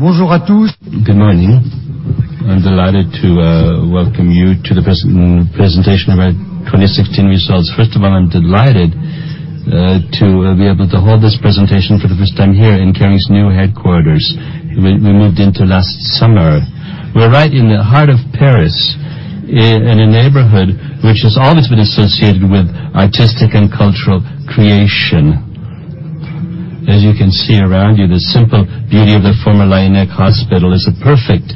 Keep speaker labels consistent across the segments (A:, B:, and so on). A: Bonjour à tous.
B: Good morning. I'm delighted to welcome you to the presentation of our 2016 results. First of all, I'm delighted to be able to hold this presentation for the first time here in Kering's new headquarters we moved into last summer. We're right in the heart of Paris, in a neighborhood which has always been associated with artistic and cultural creation. As you can see around you, the simple beauty of the former Laennec Hospital is a perfect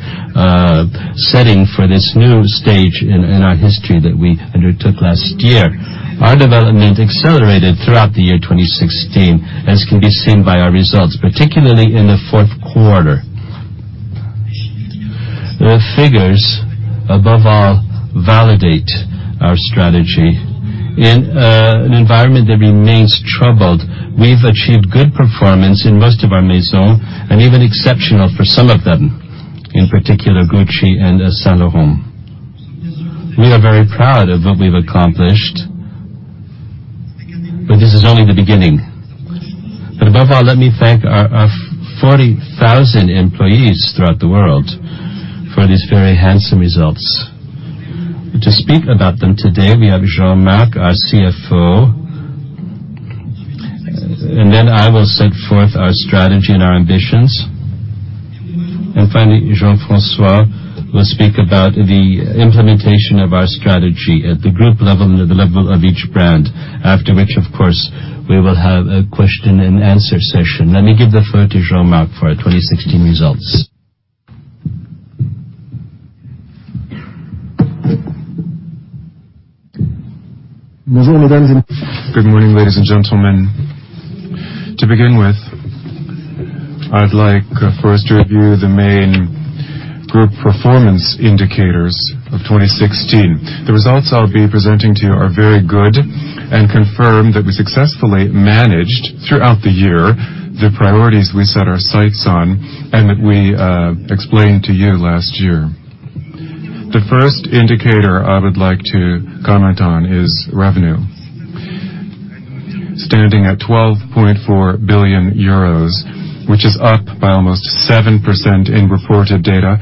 B: setting for this new stage in our history that we undertook last year. Our development accelerated throughout the year 2016, as can be seen by our results, particularly in the fourth quarter. The figures, above all, validate our strategy. In an environment that remains troubled, we've achieved good performance in most of our Maison and even exceptional for some of them, in particular Gucci and Saint Laurent. We are very proud of what we've accomplished, but this is only the beginning. Above all, let me thank our 40,000 employees throughout the world for these very handsome results. To speak about them today, we have Jean-Marc, our CFO, and then I will set forth our strategy and our ambitions. Finally, Jean-François will speak about the implementation of our strategy at the group level and at the level of each brand. After which, of course, we will have a question-and-answer session. Let me give the floor to Jean-Marc for our 2016 results.
C: Good morning, ladies and gentlemen. To begin with, I'd like first to review the main group performance indicators of 2016. The results I'll be presenting to you are very good and confirm that we successfully managed throughout the year the priorities we set our sights on and that we explained to you last year. The first indicator I would like to comment on is revenue. Standing at 12.4 billion euro, which is up by almost 7% in reported data.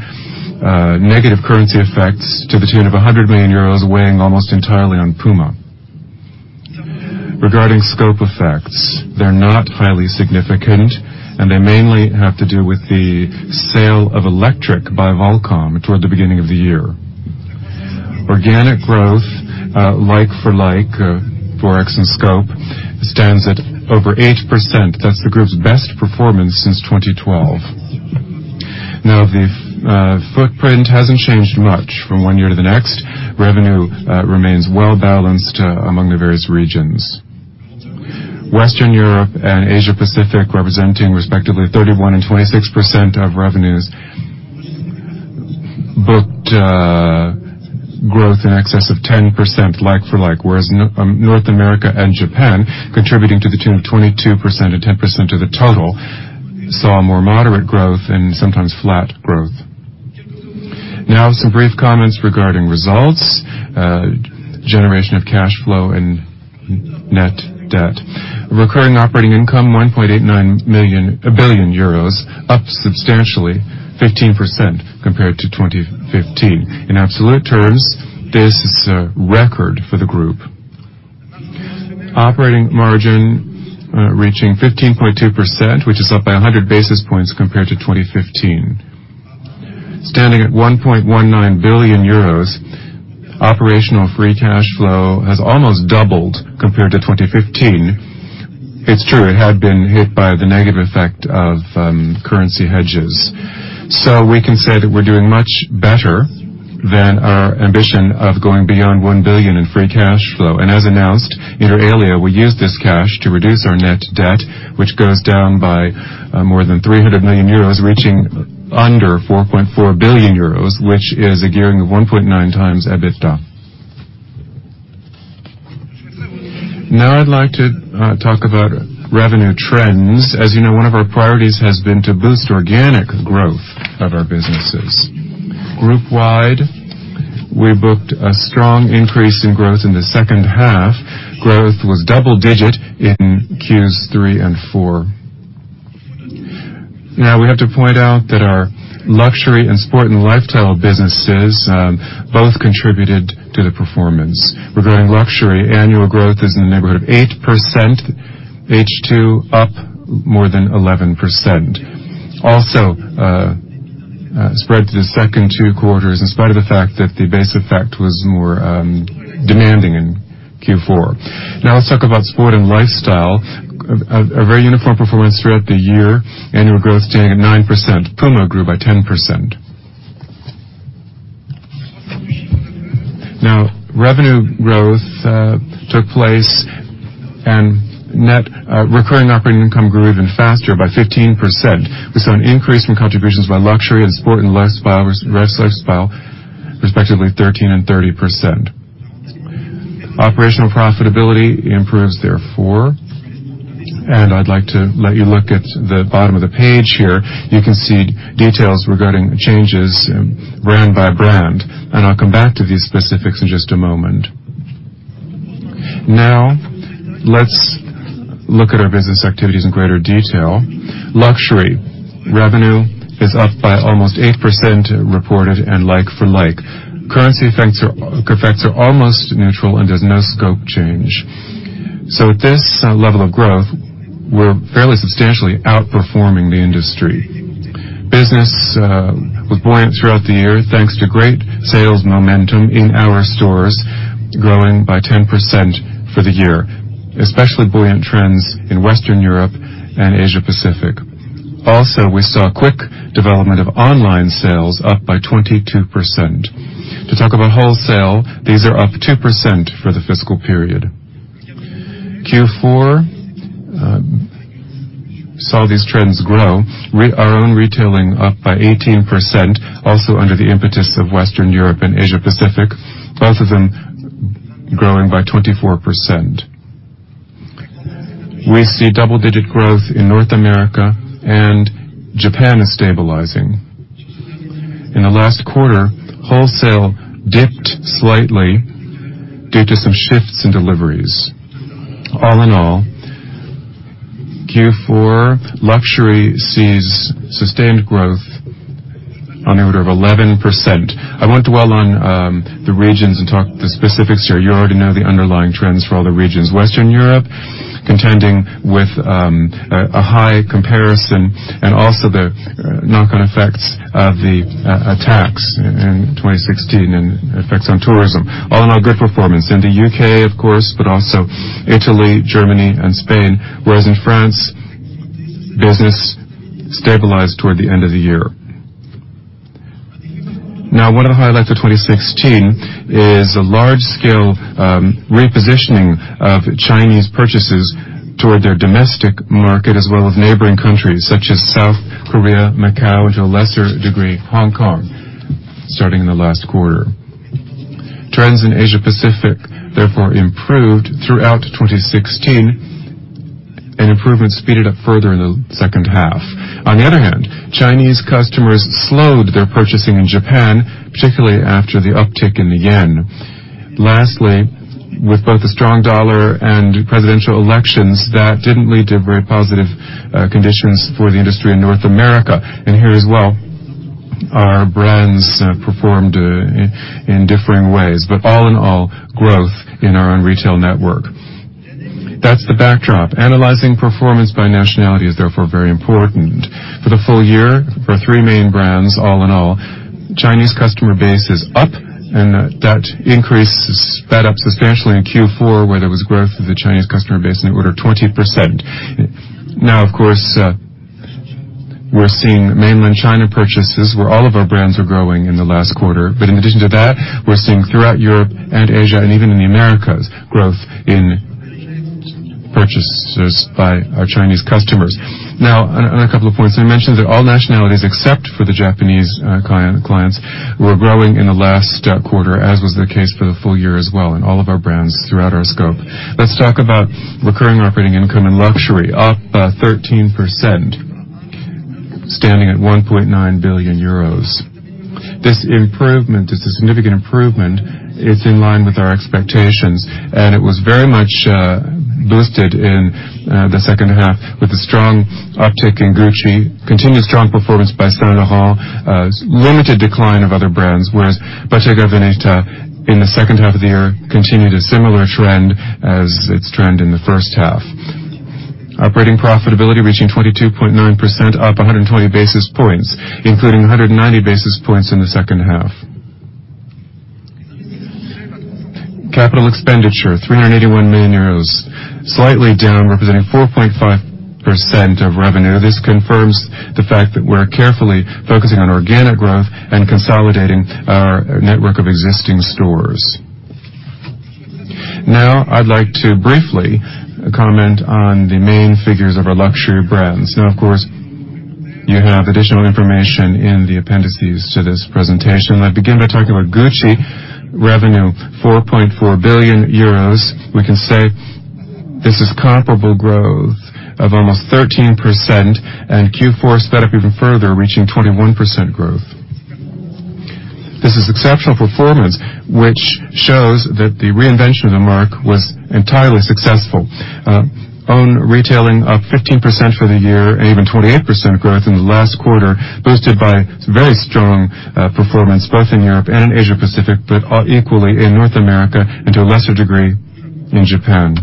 C: Negative currency effects to the tune of 100 million euros weighing almost entirely on Puma. Regarding scope effects, they're not highly significant, and they mainly have to do with the sale of Electric by Volcom toward the beginning of the year. Organic growth, like-for-like, forex and scope stands at over 8%. That's the group's best performance since 2012. Now, the footprint hasn't changed much from one year to the next. Revenue remains well-balanced among the various regions. Western Europe and Asia Pacific, representing respectively 31% and 26% of revenues, booked growth in excess of 10% like-for-like, whereas North America and Japan, contributing to the tune of 22% and 10% of the total, saw more moderate growth and sometimes flat growth. Now, some brief comments regarding results, generation of cash flow, and net debt. Recurring operating income, 1.89 billion euros, up substantially 15% compared to 2015. In absolute terms, this is a record for the group. Operating margin reaching 15.2%, which is up by 100 basis points compared to 2015. Standing at 1.19 billion euros, operational free cash flow has almost doubled compared to 2015. It's true, it had been hit by the negative effect of currency hedges. We can say that we're doing much better than our ambition of going beyond 1 billion in free cash flow. As announced, inter alia, we use this cash to reduce our net debt, which goes down by more than 300 million euros, reaching under 4.4 billion euros, which is a gearing of 1.9x EBITDA. I'd like to talk about revenue trends. As you know, one of our priorities has been to boost organic growth of our businesses. Group-wide, we booked a strong increase in growth in the second half. Growth was double-digit in Q3 and Q4. We have to point out that our luxury and sport and lifestyle businesses both contributed to the performance. Regarding luxury, annual growth is in the neighborhood of 8%, H2 up more than 11%. Also, spread to the second two quarters, in spite of the fact that the base effect was more demanding in Q4. Let's talk about sport and lifestyle. A very uniform performance throughout the year. Annual growth staying at 9%. Puma grew by 10%. Revenue growth took place and net recurring operating income grew even faster by 15%. We saw an increase from contributions by luxury and sport and lifestyle, respectively 13% and 30%. Operational profitability improves, therefore, and I'd like to let you look at the bottom of the page here. You can see details regarding changes brand by brand, and I'll come back to these specifics in just a moment. Let's look at our business activities in greater detail. Luxury revenue is up by almost 8% reported and like-for-like. Currency effects are almost neutral and there's no scope change. At this level of growth, we're fairly substantially outperforming the industry. Business was buoyant throughout the year, thanks to great sales momentum in our stores, growing by 10% for the year, especially buoyant trends in Western Europe and Asia Pacific. We saw quick development of online sales, up by 22%. To talk about wholesale, these are up 2% for the fiscal period. Q4 saw these trends grow. Our own retailing up by 18%, also under the impetus of Western Europe and Asia Pacific, both of them growing by 24%. We see double-digit growth in North America. Japan is stabilizing. In the last quarter, wholesale dipped slightly due to some shifts in deliveries. All in all, Q4 luxury sees sustained growth on the order of 11%. I won't dwell on the regions and talk the specifics here. You already know the underlying trends for all the regions. Western Europe contending with a high comparison and also the knock-on effects of the attacks in 2016 and effects on tourism. All in all, good performance. In the U.K., of course, but also Italy, Germany, and Spain, whereas in France, business stabilized toward the end of the year. One of the highlights of 2016 is a large-scale repositioning of Chinese purchases toward their domestic market as well as neighboring countries such as South Korea, Macau, and to a lesser degree, Hong Kong, starting in the last quarter. Trends in Asia Pacific therefore improved throughout 2016, and improvements speeded up further in the second half. On the other hand, Chinese customers slowed their purchasing in Japan, particularly after the uptick in the yen. Lastly, with both the strong dollar and presidential elections, that didn't lead to very positive conditions for the industry in North America. Here as well, our brands performed in differing ways, but all in all, growth in our own retail network. That's the backdrop. Analyzing performance by nationality is therefore very important. For the full year, for three main brands, all in all, Chinese customer base is up, and that increase sped up substantially in Q4, where there was growth of the Chinese customer base in the order of 20%. Of course, we're seeing Mainland China purchases where all of our brands are growing in the last quarter. In addition to that, we're seeing throughout Europe and Asia and even in the Americas, growth in purchases by our Chinese customers. On a couple of points, I mentioned that all nationalities except for the Japanese clients were growing in the last quarter, as was the case for the full year as well in all of our brands throughout our scope. Let's talk about recurring operating income and luxury, up 13%, standing at 1.9 billion euros. This improvement is a significant improvement. It's in line with our expectations, and it was very much boosted in the second half with a strong uptick in Gucci, continued strong performance by Saint Laurent, limited decline of other brands, whereas Bottega Veneta in the second half of the year continued a similar trend as its trend in the first half. Operating profitability reaching 22.9%, up 120 basis points, including 190 basis points in the second half. Capital expenditure, 381 million euros, slightly down, representing 4.5% of revenue. This confirms the fact that we're carefully focusing on organic growth and consolidating our network of existing stores. Now I'd like to briefly comment on the main figures of our luxury brands. Now, of course, you have additional information in the appendices to this presentation. I begin by talking about Gucci revenue, 4.4 billion euros. We can say this is comparable growth of almost 13%. Q4 sped up even further, reaching 21% growth. This is exceptional performance, which shows that the reinvention of the mark was entirely successful. Own retailing up 15% for the year and even 28% growth in the last quarter, boosted by some very strong performance both in Europe and in Asia Pacific, but equally in North America and to a lesser degree in Japan.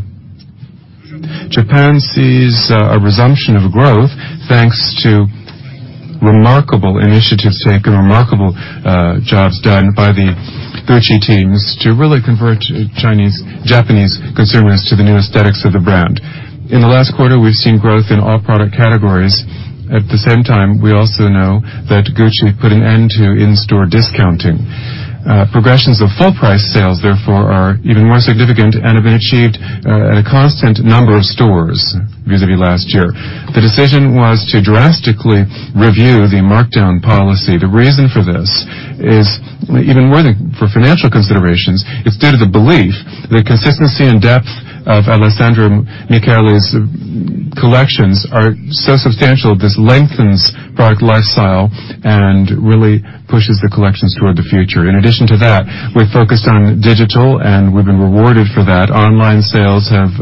C: Japan sees a resumption of growth thanks to remarkable initiatives taken, remarkable jobs done by the Gucci teams to really convert Japanese consumers to the new aesthetics of the brand. In the last quarter, we've seen growth in all product categories. At the same time, we also know that Gucci put an end to in-store discounting. Progressions of full-price sales, therefore, are even more significant and have been achieved at a constant number of stores vis-à-vis last year. The decision was to drastically review the markdown policy. The reason for this is even more than for financial considerations, it's due to the belief that consistency and depth of Alessandro Michele's collections are so substantial this lengthens product lifestyle and really pushes the collections toward the future. In addition to that, we're focused on digital, and we've been rewarded for that. Online sales have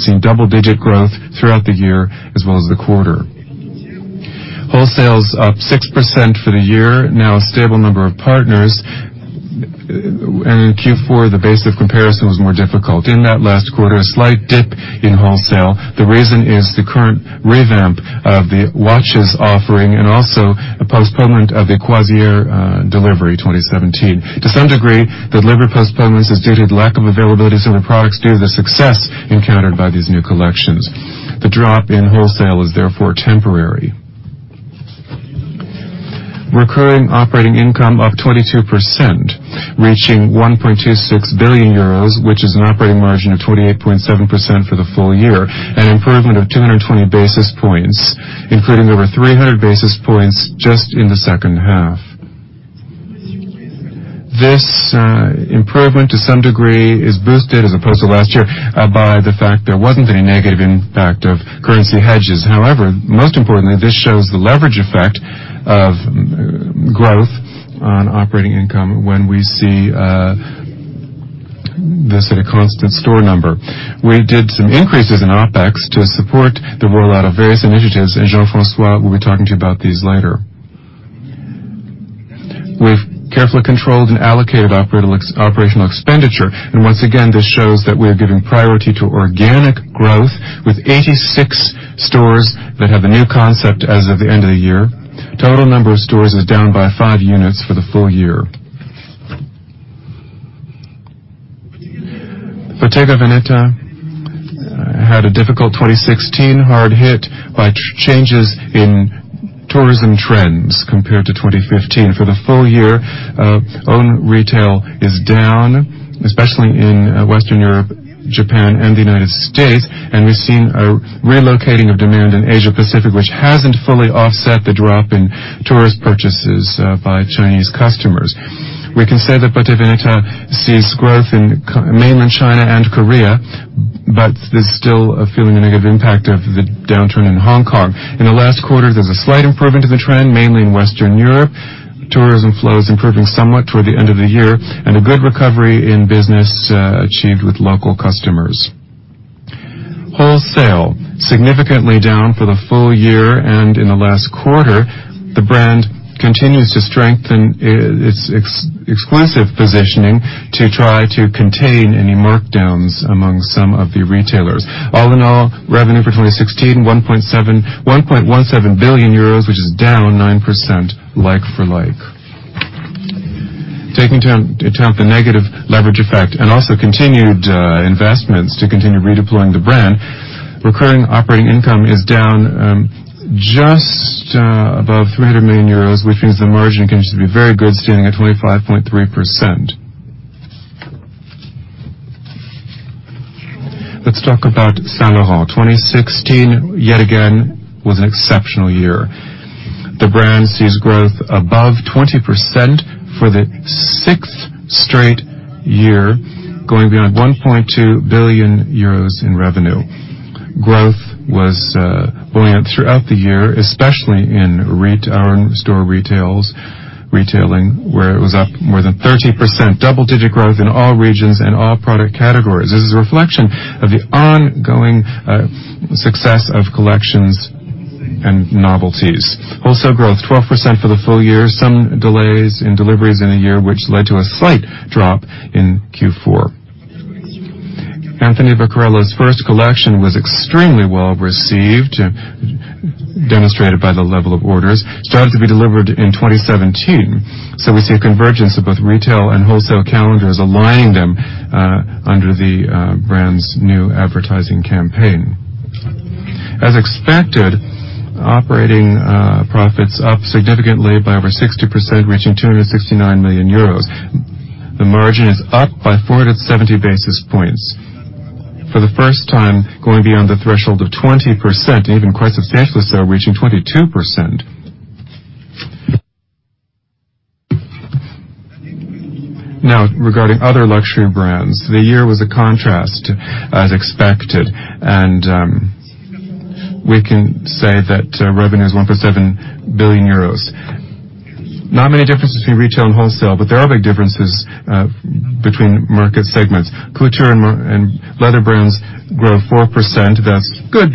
C: seen double-digit growth throughout the year as well as the quarter. Wholesale's up 6% for the year, now a stable number of partners. In Q4, the base of comparison was more difficult. In that last quarter, a slight dip in wholesale. The reason is the current revamp of the watches offering, and also a postponement of the Croisière delivery 2017. To some degree, the delivery postponements is due to lack of availability of certain products due to the success encountered by these new collections. The drop in wholesale is therefore temporary. Recurring operating income up 22%, reaching 1.26 billion euros, which is an operating margin of 28.7% for the full year, an improvement of 220 basis points, including over 300 basis points just in the second half. This improvement, to some degree, is boosted, as opposed to last year, by the fact there wasn't any negative impact of currency hedges. However, most importantly, this shows the leverage effect of growth on operating income when we see this at a constant store number. We did some increases in OpEx to support the rollout of various initiatives. Jean-François will be talking to you about these later. We've carefully controlled and allocated operational expenditure. Once again, this shows that we are giving priority to organic growth with 86 stores that have a new concept as of the end of the year. Total number of stores is down by five units for the full year. Bottega Veneta had a difficult 2016, hard hit by changes in tourism trends compared to 2015. For the full year, own retail is down, especially in Western Europe, Japan, and the United States, and we've seen a relocating of demand in Asia-Pacific, which hasn't fully offset the drop in tourist purchases by Chinese customers. We can say that Bottega Veneta sees growth in Mainland China and Korea, but is still feeling a negative impact of the downturn in Hong Kong. In the last quarter, there's a slight improvement to the trend, mainly in Western Europe. Tourism flow is improving somewhat toward the end of the year, and a good recovery in business achieved with local customers. Wholesale, significantly down for the full year and in the last quarter. The brand continues to strengthen its exclusive positioning to try to contain any markdowns among some of the retailers. All in all, revenue for 2016, 1.17 billion euros, which is down 9% like-for-like. Taking into account the negative leverage effect and also continued investments to continue redeploying the brand, recurring operating income is down just above 300 million euros, which means the margin continues to be very good, standing at 25.3%. Let's talk about Saint Laurent. 2016, yet again, was an exceptional year. The brand sees growth above 20% for the 6th straight year, going beyond 1.2 billion euros in revenue. Growth was buoyant throughout the year, especially in our own store retailing, where it was up more than 13%. Double-digit growth in all regions and all product categories. This is a reflection of the ongoing success of collections and novelties. Wholesale growth, 12% for the full year. Some delays in deliveries in the year, which led to a slight drop in Q4. Anthony Vaccarello's first collection was extremely well-received, demonstrated by the level of orders, started to be delivered in 2017. We see a convergence of both retail and wholesale calendars, aligning them under the brand's new advertising campaign. As expected, operating profits up significantly by over 60%, reaching 269 million euros. The margin is up by 4 to 70 basis points. For the first time, going beyond the threshold of 20%, even quite substantially so, reaching 22%. Regarding other luxury brands, the year was a contrast as expected, and we can say that revenue is 1.7 billion euros. Not many differences between retail and wholesale, but there are big differences between market segments. Couture and leather brands grow 4%. That's good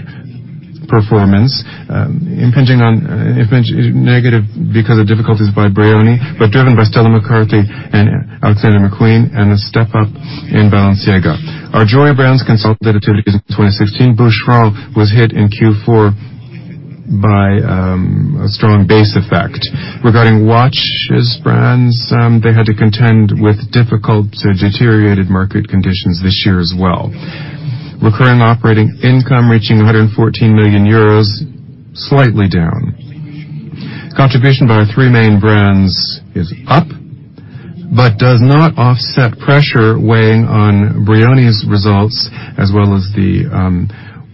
C: performance, impinging on negative because of difficulties by Brioni, but driven by Stella McCartney and Alexander McQueen and a step up in Balenciaga. Our jewelry brands consolidated activities in 2016. Boucheron was hit in Q4 by a strong base effect. Regarding watches brands, they had to contend with difficult, deteriorated market conditions this year as well. Recurring operating income reaching 114 million euros, slightly down. Contribution by our three main brands is up, does not offset pressure weighing on Brioni's results as well as the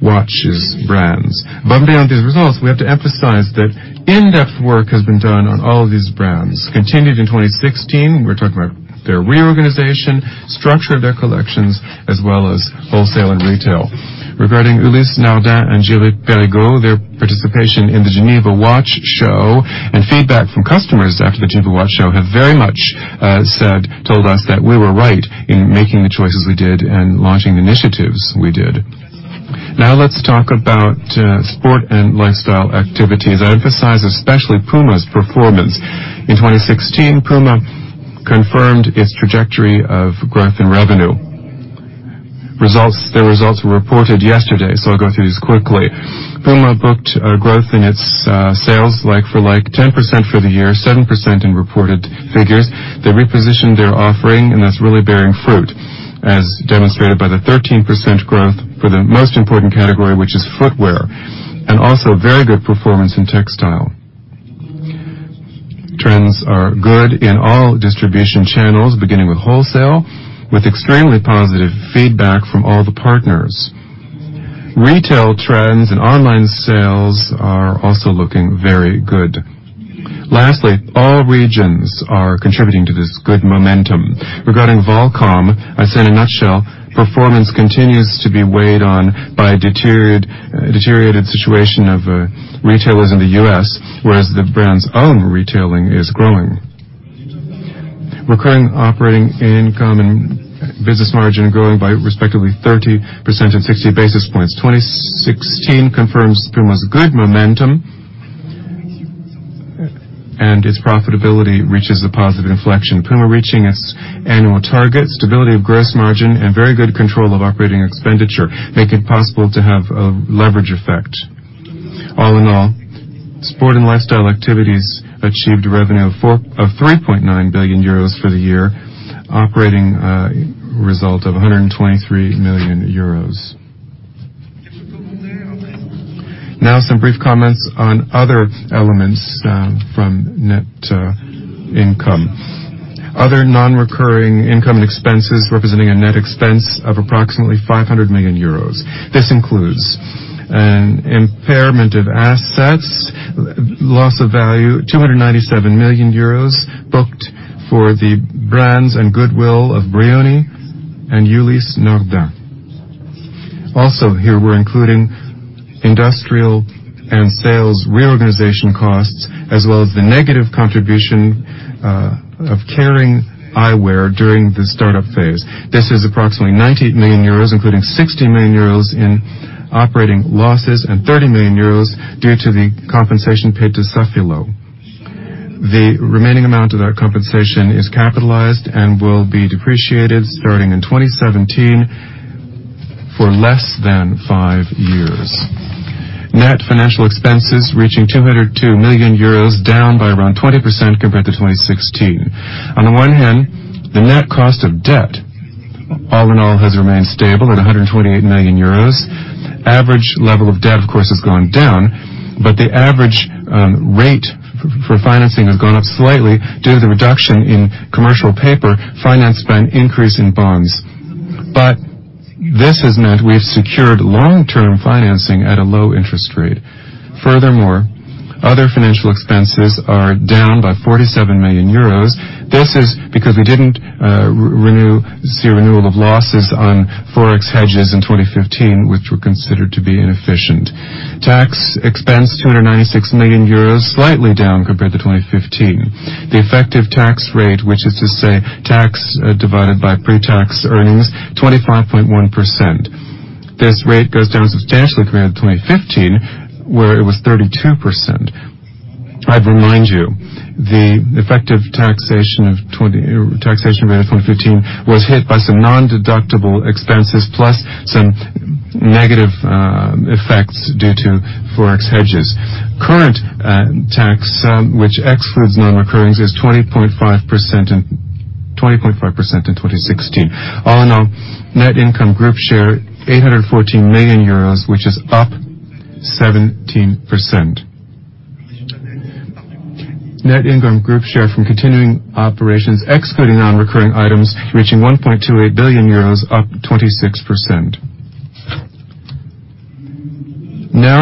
C: watches brands. Beyond these results, we have to emphasize that in-depth work has been done on all of these brands. Continued in 2016, we're talking about their reorganization, structure of their collections, as well as wholesale and retail. Regarding Ulysse Nardin and Girard-Perregaux, their participation in the Geneva Watch Show and feedback from customers after the [Timbo] Watch Show have very much told us that we were right in making the choices we did and launching the initiatives we did. Now let's talk about sport and lifestyle activities. I emphasize especially Puma's performance. In 2016, Puma confirmed its trajectory of growth and revenue. The results were reported yesterday, so I'll go through these quickly. Puma booked a growth in its sales like-for-like 10% for the year, 7% in reported figures. They repositioned their offering, and that's really bearing fruit, as demonstrated by the 13% growth for the most important category, which is footwear, and also very good performance in textile. Trends are good in all distribution channels, beginning with wholesale, with extremely positive feedback from all the partners. Retail trends and online sales are also looking very good. Lastly, all regions are contributing to this good momentum. Regarding Volcom, I say in a nutshell, performance continues to be weighed on by a deteriorated situation of retailers in the U.S., whereas the brand's own retailing is growing. Recurring operating income and business margin growing by respectively 30% and 60 basis points. 2016 confirms Puma's good momentum. Its profitability reaches a positive inflection. Puma reaching its annual target, stability of gross margin, and very good control of OpEx make it possible to have a leverage effect. All in all, sport and lifestyle activities achieved revenue of 3.9 billion euros for the year, operating result of 123 million euros. Now, some brief comments on other elements, from net income. Other non-recurring income and expenses representing a net expense of approximately 500 million euros. This includes an impairment of assets, loss of value, 297 million euros booked for the brands and goodwill of Brioni and Ulysse Nardin. Here we're including industrial and sales reorganization costs, as well as the negative contribution of Kering Eyewear during the startup phase. This is approximately 98 million euros, including 60 million euros in operating losses and 30 million euros due to the compensation paid to Safilo. The remaining amount of that compensation is capitalized and will be depreciated starting in 2017 for less than five years. Net financial expenses reaching 202 million euros, down by around 20% compared to 2016. On the one hand, the net cost of debt, all in all, has remained stable at 128 million euros. Average level of debt, of course, has gone down, but the average rate for financing has gone up slightly due to the reduction in commercial paper financed by an increase in bonds. This has meant we have secured long-term financing at a low interest rate. Furthermore, other financial expenses are down by 47 million euros. This is because we didn't see a renewal of losses on Forex hedges in 2015, which were considered to be inefficient. Tax expense, 296 million euros, slightly down compared to 2015. The effective tax rate, which is to say tax divided by pre-tax earnings, 25.1%. This rate goes down substantially compared to 2015, where it was 32%. I'd remind you, the effective taxation rate of 2015 was hit by some nondeductible expenses, plus some negative effects due to Forex hedges. Current tax, which excludes non-occurrings, is 20.5% in 2016. All in all, net income group share 814 million euros, which is up 17%. Net income group share from continuing operations excluding non-recurring items reaching 1.28 billion euros, up 26%.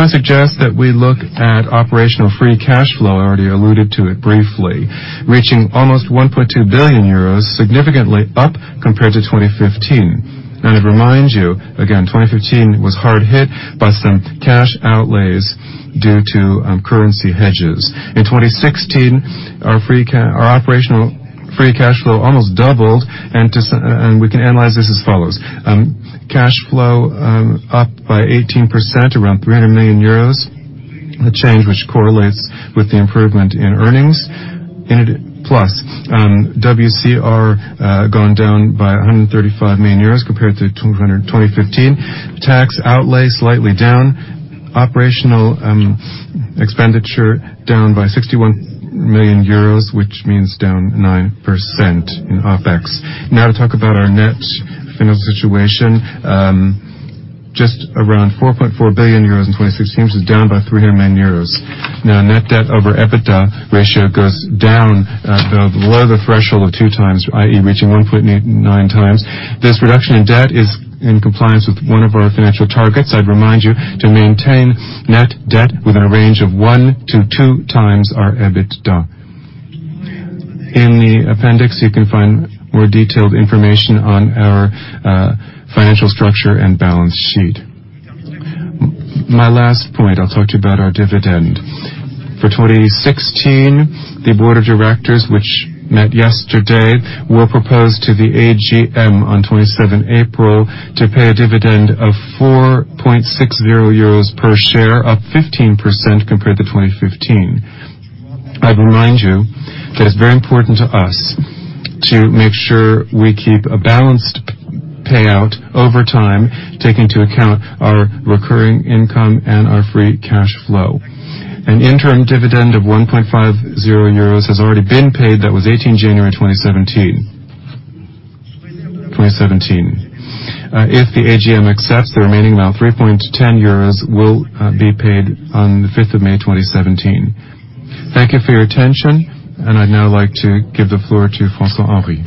C: I suggest that we look at operational free cash flow. I already alluded to it briefly. Reaching almost 1.2 billion euros, significantly up compared to 2015. I remind you, again, 2015 was hard hit by some cash outlays due to currency hedges. In 2016, our free operational free cash flow almost doubled, and we can analyze this as follows. Cash flow, up by 18%, around 300 million euros. A change which correlates with the improvement in earnings. Plus, WCR, gone down by 135 million euros compared to 2015. Tax outlay slightly down. Operational expenditure down by 61 million euros, which means down 9% in OpEx. To talk about our net financial situation. Just around 4.4 billion euros in 2016, which is down by 300 million euros. Net debt over EBITDA ratio goes down below the threshold of 2x, i.e., reaching 1.9x. This reduction in debt is in compliance with one of our financial targets, I'd remind you, to maintain net debt within a range of 1x to 2x our EBITDA. In the appendix, you can find more detailed information on our financial structure and balance sheet. My last point, I'll talk to you about our dividend. For 2016, the board of directors, which met yesterday, will propose to the AGM on 27 April to pay a dividend of 4.60 euros per share, up 15% compared to 2015. I remind you that it's very important to us to make sure we keep a balanced payout over time, taking into account our recurring income and our free cash flow. An interim dividend of 1.50 euros has already been paid. That was 18 January 2017. If the AGM accepts, the remaining amount, 3.10 euros, will be paid on the fifth of May 2017. Thank you for your attention, and I'd now like to give the floor to François-Henri.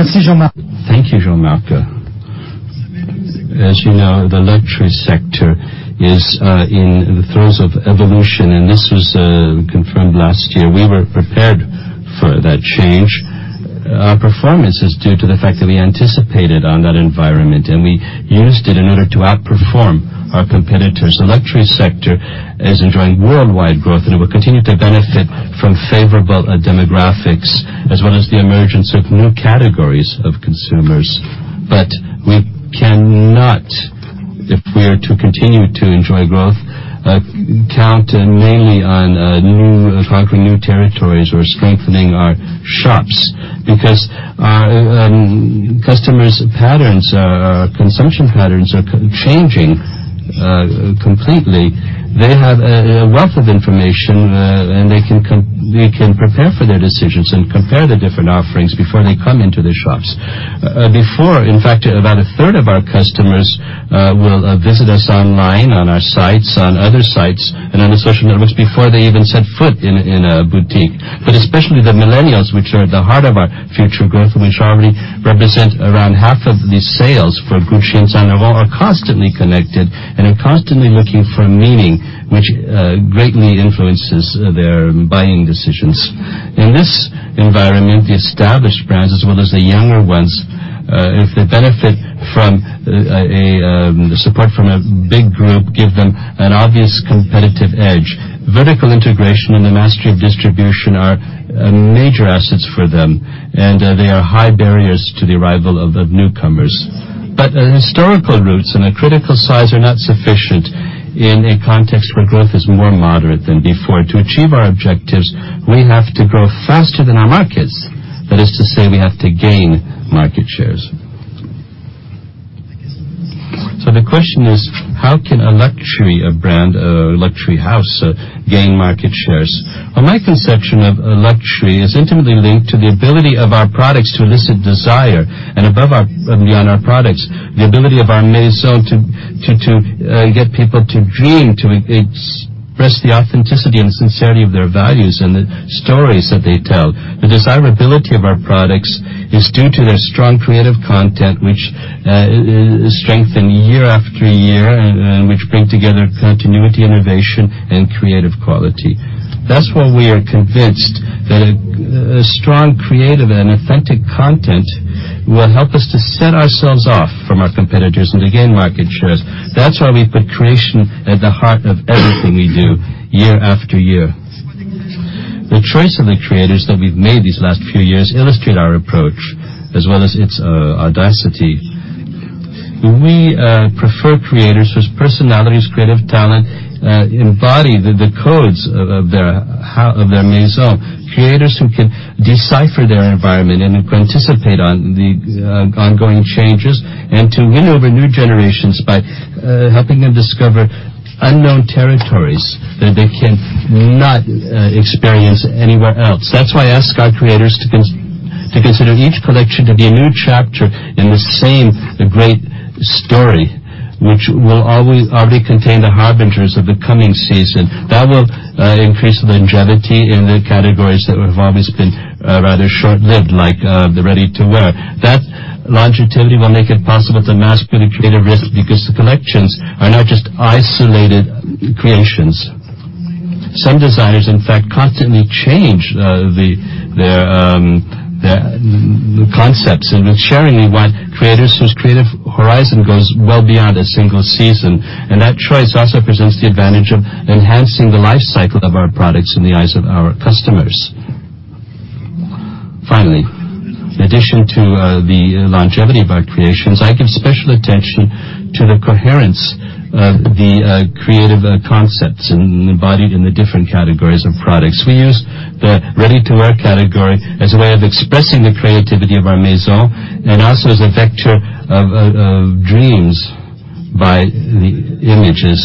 B: Thank you, Jean-Marc. As you know, the luxury sector is in the throes of evolution, and this was confirmed last year. We were prepared for that change. Performance is due to the fact that we anticipated on that environment, and we used it in order to outperform our competitors. The luxury sector is enjoying worldwide growth, and it will continue to benefit from favorable demographics as well as the emergence of new categories of consumers. We cannot, if we are to continue to enjoy growth, count mainly on conquering new territories or strengthening our shops because our customers' patterns, consumption patterns are changing completely. They have a wealth of information, and they can prepare for their decisions and compare the different offerings before they come into the shops. Before, in fact, about a third of our customers will visit us online on our sites, on other sites, and on the social networks before they even set foot in a boutique. Especially the millennials, which are at the heart of our future growth, which already represent around half of the sales for Gucci and Saint Laurent, are constantly connected and are constantly looking for meaning, which greatly influences their buying decisions. In this environment, the established brands as well as the younger ones, if they benefit from the support from a big group, give them an obvious competitive edge. Vertical integration and the mastery of distribution are major assets for them, and they are high barriers to the arrival of the newcomers. Historical roots and a critical size are not sufficient in a context where growth is more moderate than before. To achieve our objectives, we have to grow faster than our markets. That is to say, we have to gain market shares. The question is, how can a luxury brand, a luxury house, gain market shares? Well, my conception of luxury is intimately linked to the ability of our products to elicit desire and beyond our products, the ability of our Maison to get people to dream, to express the authenticity and sincerity of their values and the stories that they tell. The desirability of our products is due to their strong creative content, which is strengthened year after year and which bring together continuity, innovation, and creative quality. That's why we are convinced that a strong creative and authentic content will help us to set ourselves off from our competitors and to gain market shares. That's why we've put creation at the heart of everything we do year after year. The choice of the creators that we've made these last few years illustrate our approach as well as its audacity. We prefer creators whose personalities, creative talent embody the codes of their Maison, creators who can decipher their environment and who can anticipate on the ongoing changes and to win over new generations by helping them discover unknown territories that they cannot experience anywhere else. That's why I ask our creators to consider each collection to be a new chapter in the same great story, which will always already contain the harbingers of the coming season. That will increase the longevity in the categories that have always been rather short-lived, like the ready-to-wear. That longevity will make it possible to master the creative risk because the collections are not just isolated creations. Some designers, in fact, constantly change their concepts, and it's surely why creators whose creative horizon goes well beyond a single season. That choice also presents the advantage of enhancing the life cycle of our products in the eyes of our customers. Finally, in addition to the longevity of our creations, I give special attention to the coherence of the creative concepts embodied in the different categories of products. We use the ready-to-wear category as a way of expressing the creativity of our Maison and also as a vector of dreams. By the images,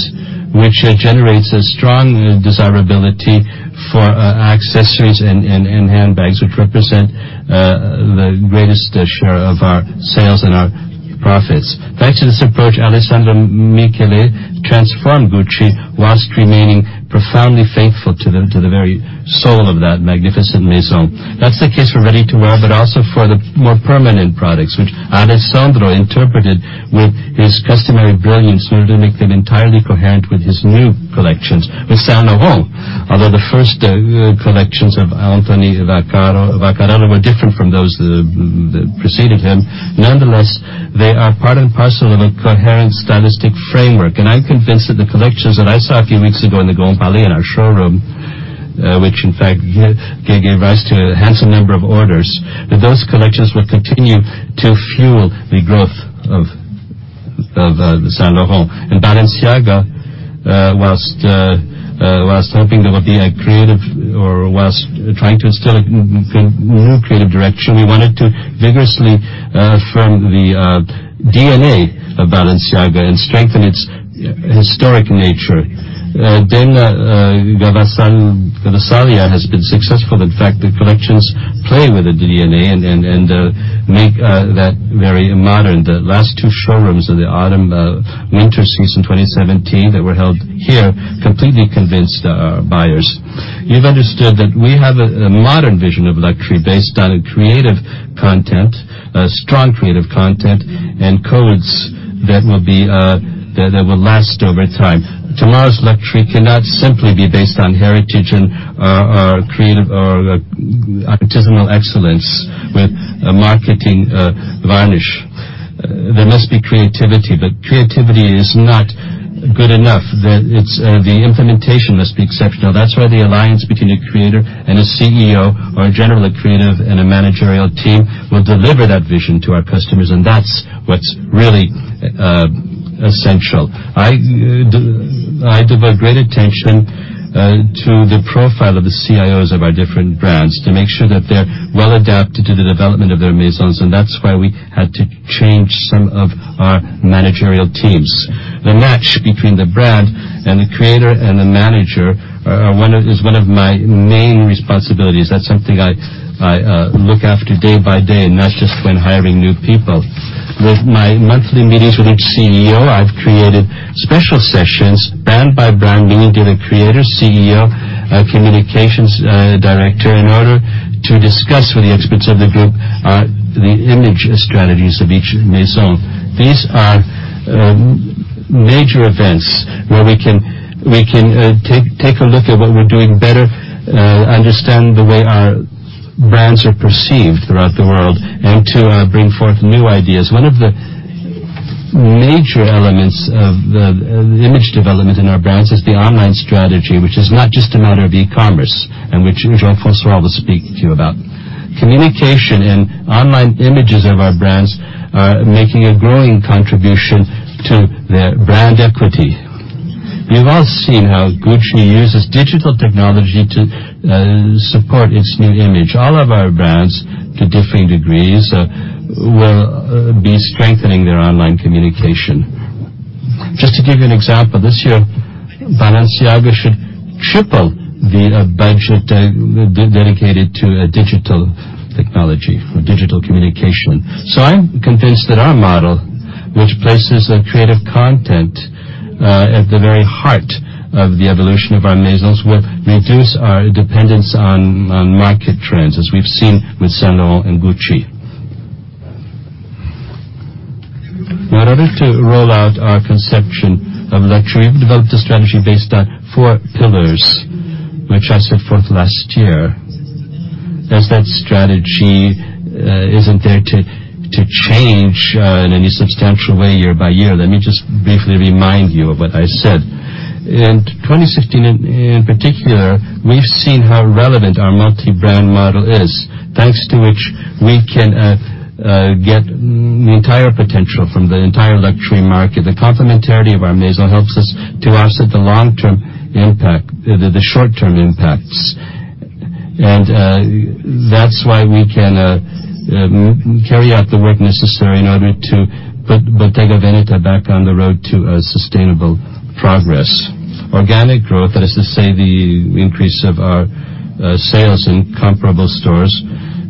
B: which generates a strong desirability for accessories and handbags, which represent the greatest share of our sales and our profits. Thanks to this approach, Alessandro Michele transformed Gucci whilst remaining profoundly faithful to the very soul of that magnificent Maison. That's the case for ready-to-wear, but also for the more permanent products, which Alessandro interpreted with his customary brilliance in order to make them entirely coherent with his new collections. With Saint Laurent, although the first collections of Anthony Vaccarello were different from those that preceded him, nonetheless, they are part and parcel of a coherent stylistic framework. I'm convinced that the collections that I saw a few weeks ago in the Grand Palais, in our showroom, which in fact gave rise to a handsome number of orders, that those collections will continue to fuel the growth of Saint Laurent. Balenciaga, whilst hoping there would be a creative or whilst trying to instill a new creative direction, we wanted to vigorously firm the DNA of Balenciaga and strengthen its historic nature. Gvasalia has been successful. In fact, the collections play with the DNA and make that very modern. The last two showrooms of the autumn winter season 2017 that were held here completely convinced our buyers. You've understood that we have a modern vision of luxury based on a creative content, a strong creative content, and codes that will be that will last over time. Tomorrow's luxury cannot simply be based on heritage and creative or artisanal excellence with a marketing varnish. There must be creativity, but creativity is not good enough. The implementation must be exceptional. That's why the alliance between a creator and a CEO or in general, a creative and a managerial team will deliver that vision to our customers, and that's what's really essential. I devote great attention to the profile of the CEOs of our different brands to make sure that they're well adapted to the development of their Maisons, and that's why we had to change some of our managerial teams. The match between the brand and the creator and the manager is one of my main responsibilities. That's something I look after day by day, not just when hiring new people. With my monthly meetings with each CEO, I've created special sessions brand by brand, meaning with a creator, CEO, a communications director, in order to discuss with the experts of the group the image strategies of each Maison. These are major events where we can take a look at what we're doing better, understand the way our brands are perceived throughout the world to bring forth new ideas. One of the major elements of the image development in our brands is the online strategy, which is not just a matter of e-commerce, which Jean-François will speak to you about. Communication and online images of our brands are making a growing contribution to their brand equity. You've all seen how Gucci uses digital technology to support its new image. All of our brands, to differing degrees, will be strengthening their online communication. Just to give you an example, this year, Balenciaga should triple the budget dedicated to digital technology or digital communication. I'm convinced that our model, which places a creative content at the very heart of the evolution of our Maisons, will reduce our dependence on market trends, as we've seen with Saint Laurent and Gucci. In order to roll out our conception of luxury, we've developed a strategy based on four pillars, which I set forth last year. As that strategy isn't there to change in any substantial way year by year, let me just briefly remind you of what I said. In 2016 in particular, we've seen how relevant our multi-brand model is, thanks to which we can get the entire potential from the entire luxury market. The complementarity of our Maison helps us to offset the short-term impacts. That's why we can carry out the work necessary in order to put Bottega Veneta back on the road to a sustainable progress. Organic growth, that is to say, the increase of our sales in comparable stores,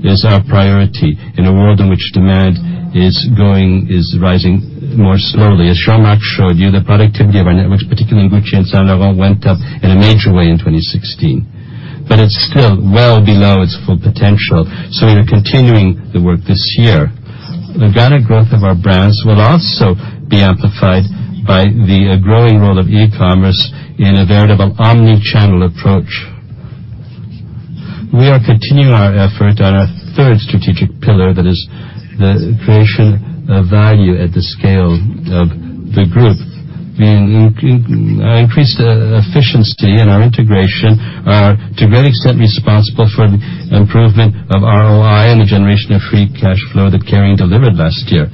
B: is our priority in a world in which demand is rising more slowly. Jean-Marc showed you, the productivity of our networks, particularly in Gucci and Saint Laurent, went up in a major way in 2016, but it's still well below its full potential. We are continuing the work this year. The organic growth of our brands will also be amplified by the growing role of e-commerce in a veritable omnichannel approach. Our increased efficiency and our integration are, to a great extent, responsible for the improvement of ROI and the generation of free cash flow that Kering delivered last year.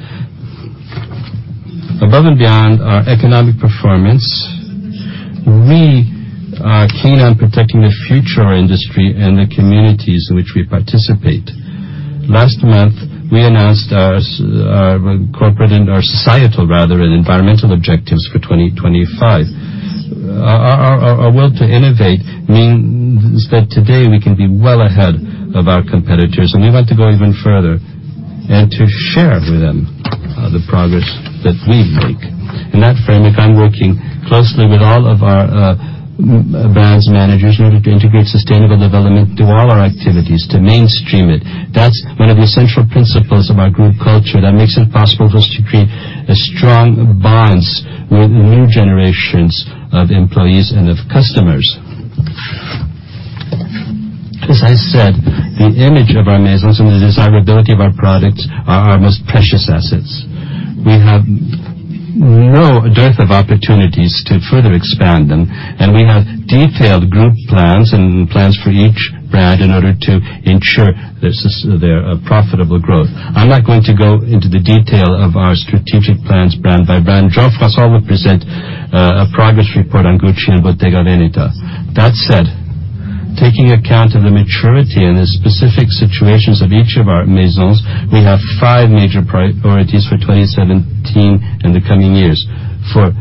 B: Above and beyond our economic performance. We are keen on protecting the future of our industry and the communities in which we participate. Last month, we announced our corporate and our societal, rather, and environmental objectives for 2025. Our will to innovate means that today we can be well ahead of our competitors, and we want to go even further and to share with them the progress that we make. In that frame, if I'm working closely with all of our brands managers in order to integrate sustainable development through all our activities, to mainstream it. That's one of the essential principles of our group culture that makes it possible for us to create strong bonds with new generations of employees and of customers. As I said, the image of our Maisons and the desirability of our products are our most precious assets. We have no dearth of opportunities to further expand them, and we have detailed group plans and plans for each brand in order to ensure their profitable growth. I'm not going to go into the detail of our strategic plans brand by brand. Jean-François will present a progress report on Gucci and Bottega Veneta. That said, taking account of the maturity and the specific situations of each of our Maisons, we have five major priorities for 2017 and the coming years. For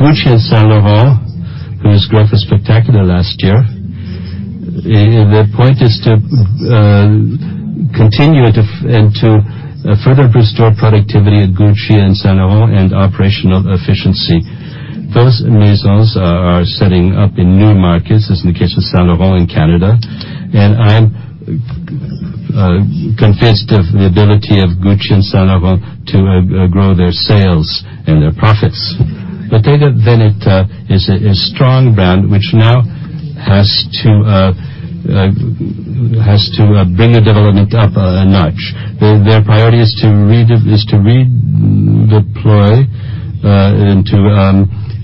B: Gucci and Saint Laurent, whose growth was spectacular last year, their point is to continue and to further restore productivity at Gucci and Saint Laurent and operational efficiency. Those Maisons are setting up in new markets, as in the case of Saint Laurent in Canada, and I'm convinced of the ability of Gucci and Saint Laurent to grow their sales and their profits. Bottega Veneta is a strong brand which now has to bring the development up a notch. Their priority is to redeploy and to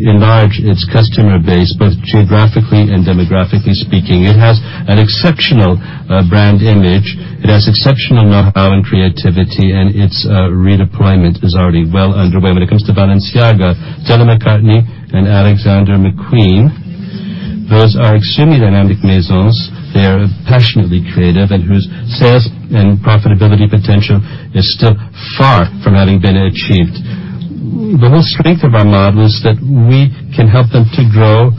B: enlarge its customer base, both geographically and demographically speaking. It has an exceptional brand image. It has exceptional know-how and creativity, and its redeployment is already well underway. When it comes to Balenciaga, Stella McCartney, and Alexander McQueen, those are extremely dynamic Maisons. They are passionately creative and whose sales and profitability potential is still far from having been achieved. The whole strength of our model is that we can help them to grow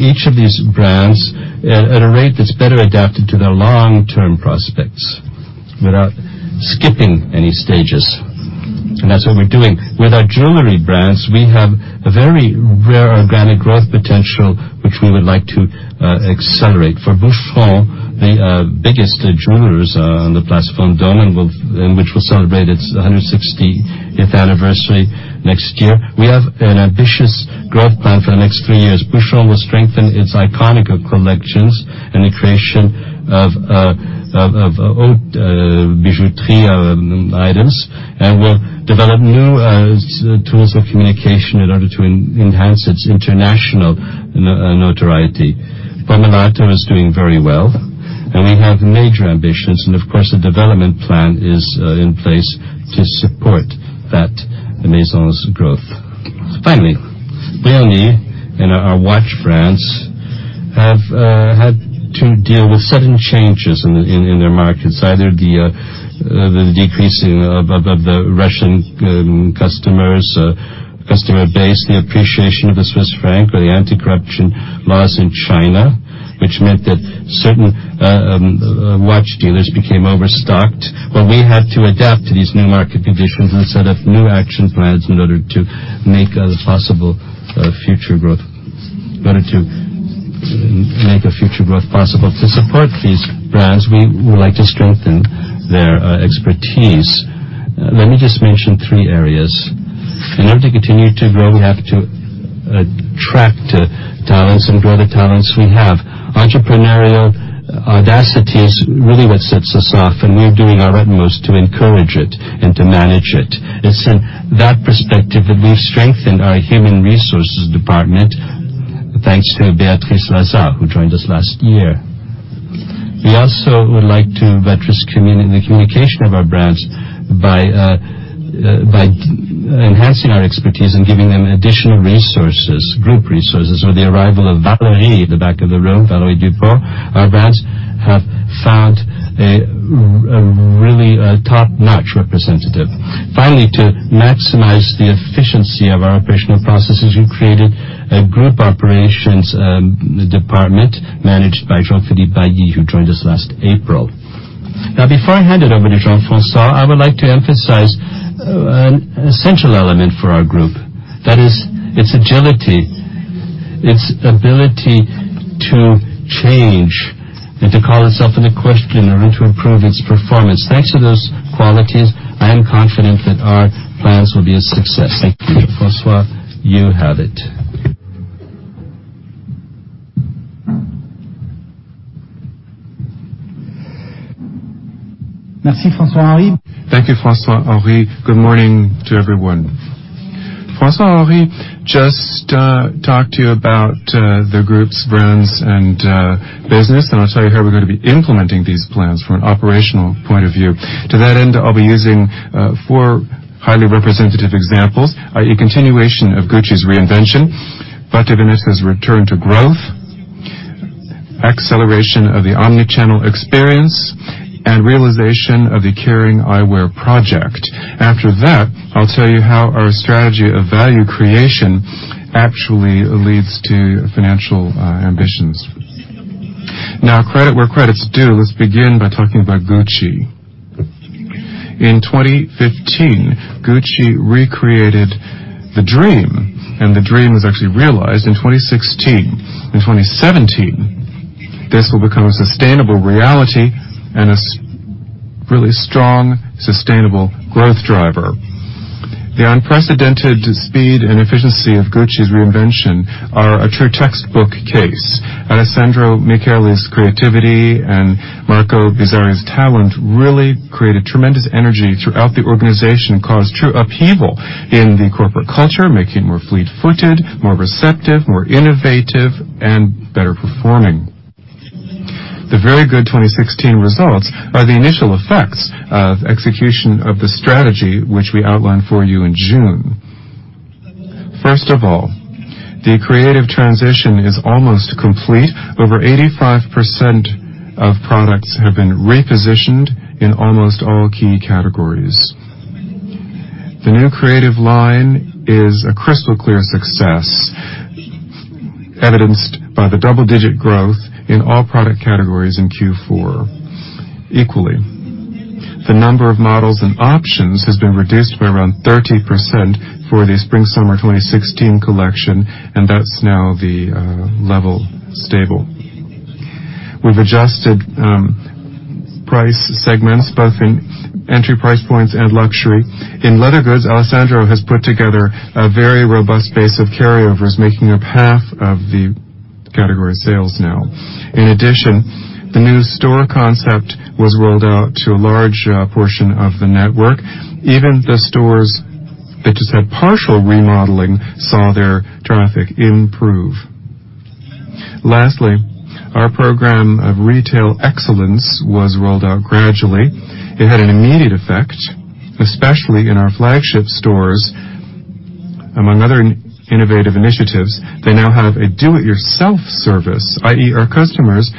B: each of these brands at a rate that's better adapted to their long-term prospects without skipping any stages, and that's what we're doing. With our jewelry brands, we have a very rare organic growth potential, which we would like to accelerate. For Boucheron, the biggest jewelers on the Place Vendôme which will celebrate its 160th anniversary next year, we have an ambitious growth plan for the next three years. Boucheron will strengthen its iconic collections and the creation of Haute Bijouterie items, and will develop new tools of communication in order to enhance its international notoriety. Pomellato is doing very well, and we have major ambitions, and of course, a development plan is in place to support that Maison's growth. Finally, Brioni and our watch brands have had to deal with sudden changes in their markets, either the decreasing of the Russian customers customer base, the appreciation of the Swiss franc or the anti-corruption laws in China, which meant that certain watch dealers became overstocked. Well, we had to adapt to these new market conditions and set up new action plans in order to make a future growth possible. To support these brands, we would like to strengthen their expertise. Let me just mention three areas. In order to continue to grow, we have to attract talents and grow the talents we have. Entrepreneurial audacity is really what sets us off, and we're doing our utmost to encourage it and to manage it. It's in that perspective that we've strengthened our human resources department, thanks to Béatrice Lazat, who joined us last year. We also would like to buttress the communication of our brands by enhancing our expertise and giving them additional resources, group resources. With the arrival of Valérie at the back of the room, Valérie Duport, our brands have found a really top-notch representative. Finally, to maximize the efficiency of our operational processes, we created a group operations department managed by Jean-Philippe Bailly, who joined us last April. Before I hand it over to Jean-François, I would like to emphasize an essential element for our group. That is its agility, its ability to change and to call itself into question in order to improve its performance. Thanks to those qualities, I am confident that our plans will be a success. Thank you. Jean-François, you have it.
D: Thank you, François-Henri. Good morning to everyone. François-Henri just talked to you about the group's brands and business, I'll tell you how we're gonna be implementing these plans from an operational point of view. To that end, I'll be using four highly representative examples, a continuation of Gucci's reinvention, Bottega Veneta's return to growth, acceleration of the omnichannel experience and realization of the Kering Eyewear project. After that, I'll tell you how our strategy of value creation actually leads to financial ambitions. Credit where credit's due, let's begin by talking about Gucci. In 2015, Gucci recreated the dream. The dream was actually realized in 2016. In 2017, this will become a sustainable reality and a really strong, sustainable growth driver. The unprecedented speed and efficiency of Gucci's reinvention are a true textbook case. Alessandro Michele's creativity and Marco Bizzarri's talent really created tremendous energy throughout the organization and caused true upheaval in the corporate culture, making it more fleet-footed, more receptive, more innovative, and better performing. The very good 2016 results are the initial effects of execution of the strategy which we outlined for you in June. First of all, the creative transition is almost complete. Over 85% of products have been repositioned in almost all key categories. The new creative line is a crystal clear success, evidenced by the double-digit growth in all product categories in Q4. Equally, the number of models and options has been reduced by around 30% for the Spring/Summer 2016 collection, and that's now the level stable. We've adjusted price segments, both in entry price points and luxury. In leather goods, Alessandro has put together a very robust base of carryovers, making up half of the category sales now. In addition, the new store concept was rolled out to a large portion of the network. Even the stores that just had partial remodeling saw their traffic improve. Lastly, our program of retail excellence was rolled out gradually. It had an immediate effect, especially in our flagship stores. Among other innovative initiatives, they now have a do-it-yourself service, i.e., our customers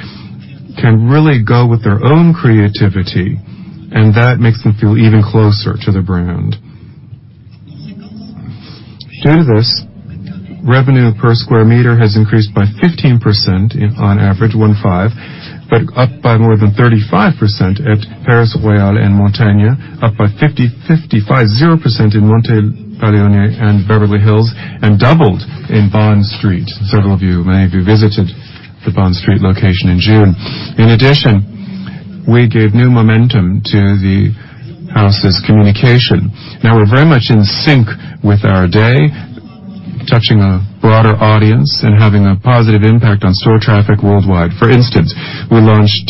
D: can really go with their own creativity, and that makes them feel even closer to the brand. Due to this, revenue per square meter has increased by 15% on average, one five, but up by more than 35% at Palais-Royal and Montenapoleone, up by 55%, fifty-five zero percent in Montenapoleone and Beverly Hills, and doubled in Bond Street. Several of you may have visited the Bond Street location in June. In addition, we gave new momentum to the house's communication. We're very much in sync with our day, touching a broader audience and having a positive impact on store traffic worldwide. For instance, we launched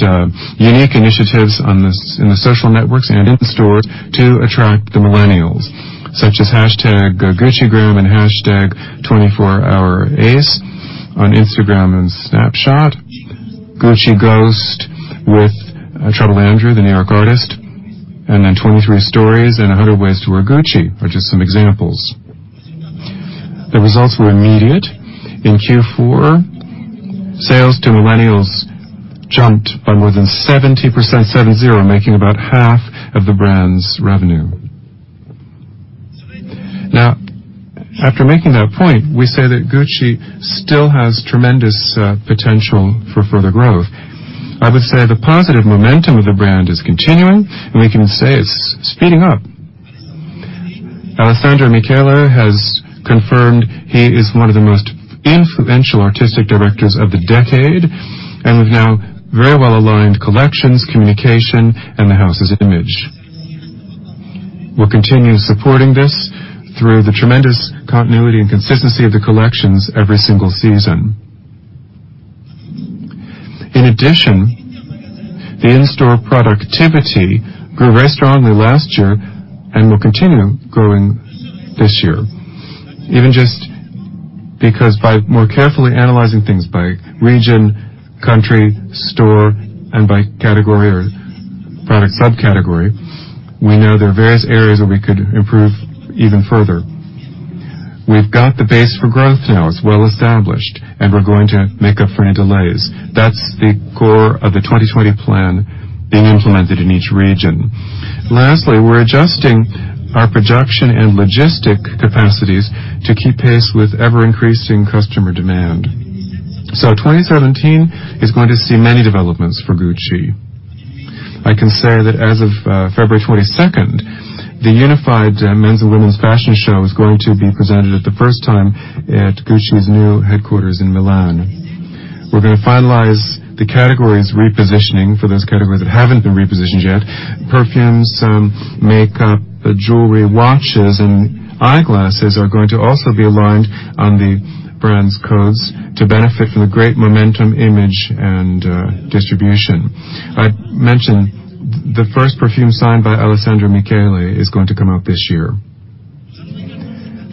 D: unique initiatives in the social networks and in stores to attract the millennials, such as GucciGram and #24HourAce on Instagram and Snapchat. GucciGhost with Trouble Andrew, the New York artist, 23 Stories and 100 Ways to Wear Gucci are just some examples. The results were immediate. In Q4, sales to millennials jumped by more than 70%, making about half of the brand's revenue. After making that point, we say that Gucci still has tremendous potential for further growth. I would say the positive momentum of the brand is continuing, and we can say it's speeding up. Alessandro Michele has confirmed he is one of the most influential artistic directors of the decade, and we've now very well aligned collections, communication, and the house's image. We'll continue supporting this through the tremendous continuity and consistency of the collections every single season. In addition, the in-store productivity grew very strongly last year and will continue growing this year. Even just because by more carefully analyzing things by region, country, store, and by category or product subcategory, we know there are various areas where we could improve even further. We've got the base for growth now. It's well established, and we're going to make up for any delays. That's the core of the 2020 plan being implemented in each region. Lastly, we're adjusting our production and logistic capacities to keep pace with ever-increasing customer demand. 2017 is going to see many developments for Gucci. I can say that as of February 22nd, the unified men's and women's fashion show is going to be presented at the first time at Gucci's new headquarters in Milan. We're gonna finalize the category's repositioning for those categories that haven't been repositioned yet. Perfumes, makeup, jewelry, watches, and eyeglasses are going to also be aligned on the brand's codes to benefit from the great momentum, image, and distribution. I mentioned the first perfume signed by Alessandro Michele is going to come out this year.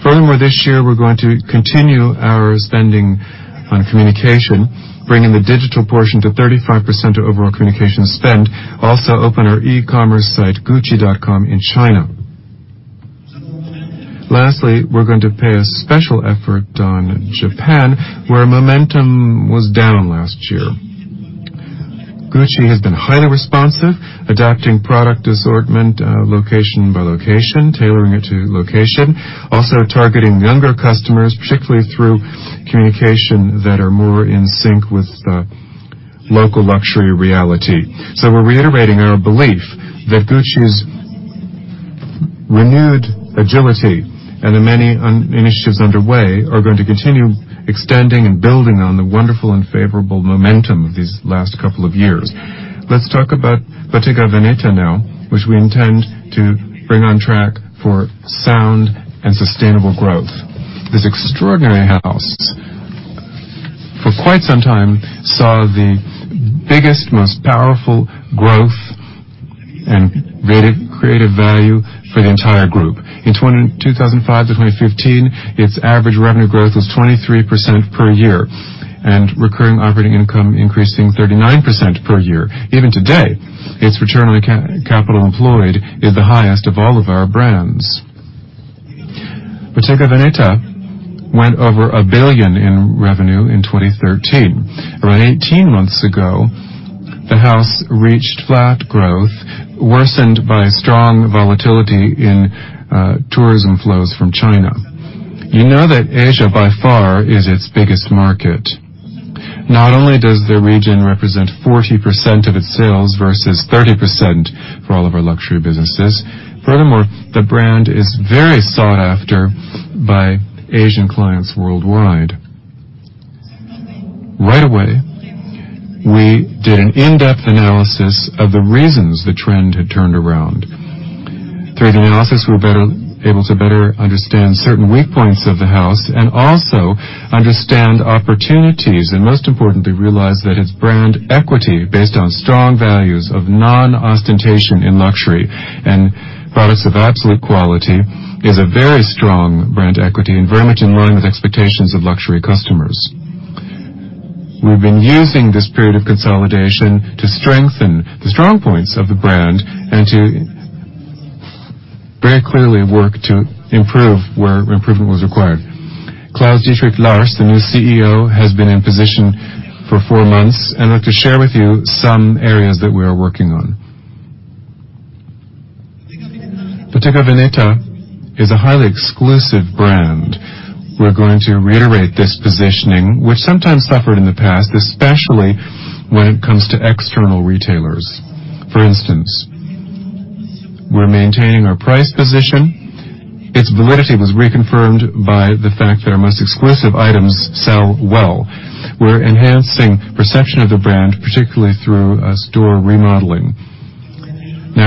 D: Furthermore, this year, we're going to continue our spending on communication, bringing the digital portion to 35% of overall communication spend. Also open our e-commerce site, gucci.com, in China. Lastly, we're going to pay a special effort on Japan, where momentum was down last year. Gucci has been highly responsive, adapting product assortment, location by location, tailoring it to location, also targeting younger customers, particularly through communication that are more in sync with the local luxury reality. We're reiterating our belief that Gucci's renewed agility and the many initiatives underway are going to continue extending and building on the wonderful and favorable momentum of these last couple of years. Let's talk about Bottega Veneta now, which we intend to bring on track for sound and sustainable growth. This extraordinary house, for quite some time, saw the biggest, most powerful growth and created creative value for the entire group. In 2005 to 2015, its average revenue growth was 23% per year, and recurring operating income increasing 39% per year. Even today, its return on capital employed is the highest of all of our brands. Bottega Veneta went over 1 billion in revenue in 2013. Around 18 months ago, the house reached flat growth, worsened by strong volatility in tourism flows from China. You know that Asia, by far, is its biggest market. Not only does the region represent 40% of its sales versus 30% for all of our luxury businesses, furthermore, the brand is very sought after by Asian clients worldwide. Right away, we did an in-depth analysis of the reasons the trend had turned around. Through the analysis, we're able to better understand certain weak points of the house and also understand opportunities, and most importantly, realize that its brand equity based on strong values of non-ostentation in luxury and products of absolute quality is a very strong brand equity and very much in line with expectations of luxury customers. We've been using this period of consolidation to strengthen the strong points of the brand and to very clearly work to improve where improvement was required. Claus-Dietrich Lahrs, the new CEO, has been in position for four months, and I'd like to share with you some areas that we are working on. Bottega Veneta is a highly exclusive brand. We're going to reiterate this positioning, which sometimes suffered in the past, especially when it comes to external retailers. For instance, we're maintaining our price position. Its validity was reconfirmed by the fact that our most exclusive items sell well. We're enhancing perception of the brand, particularly through a store remodeling.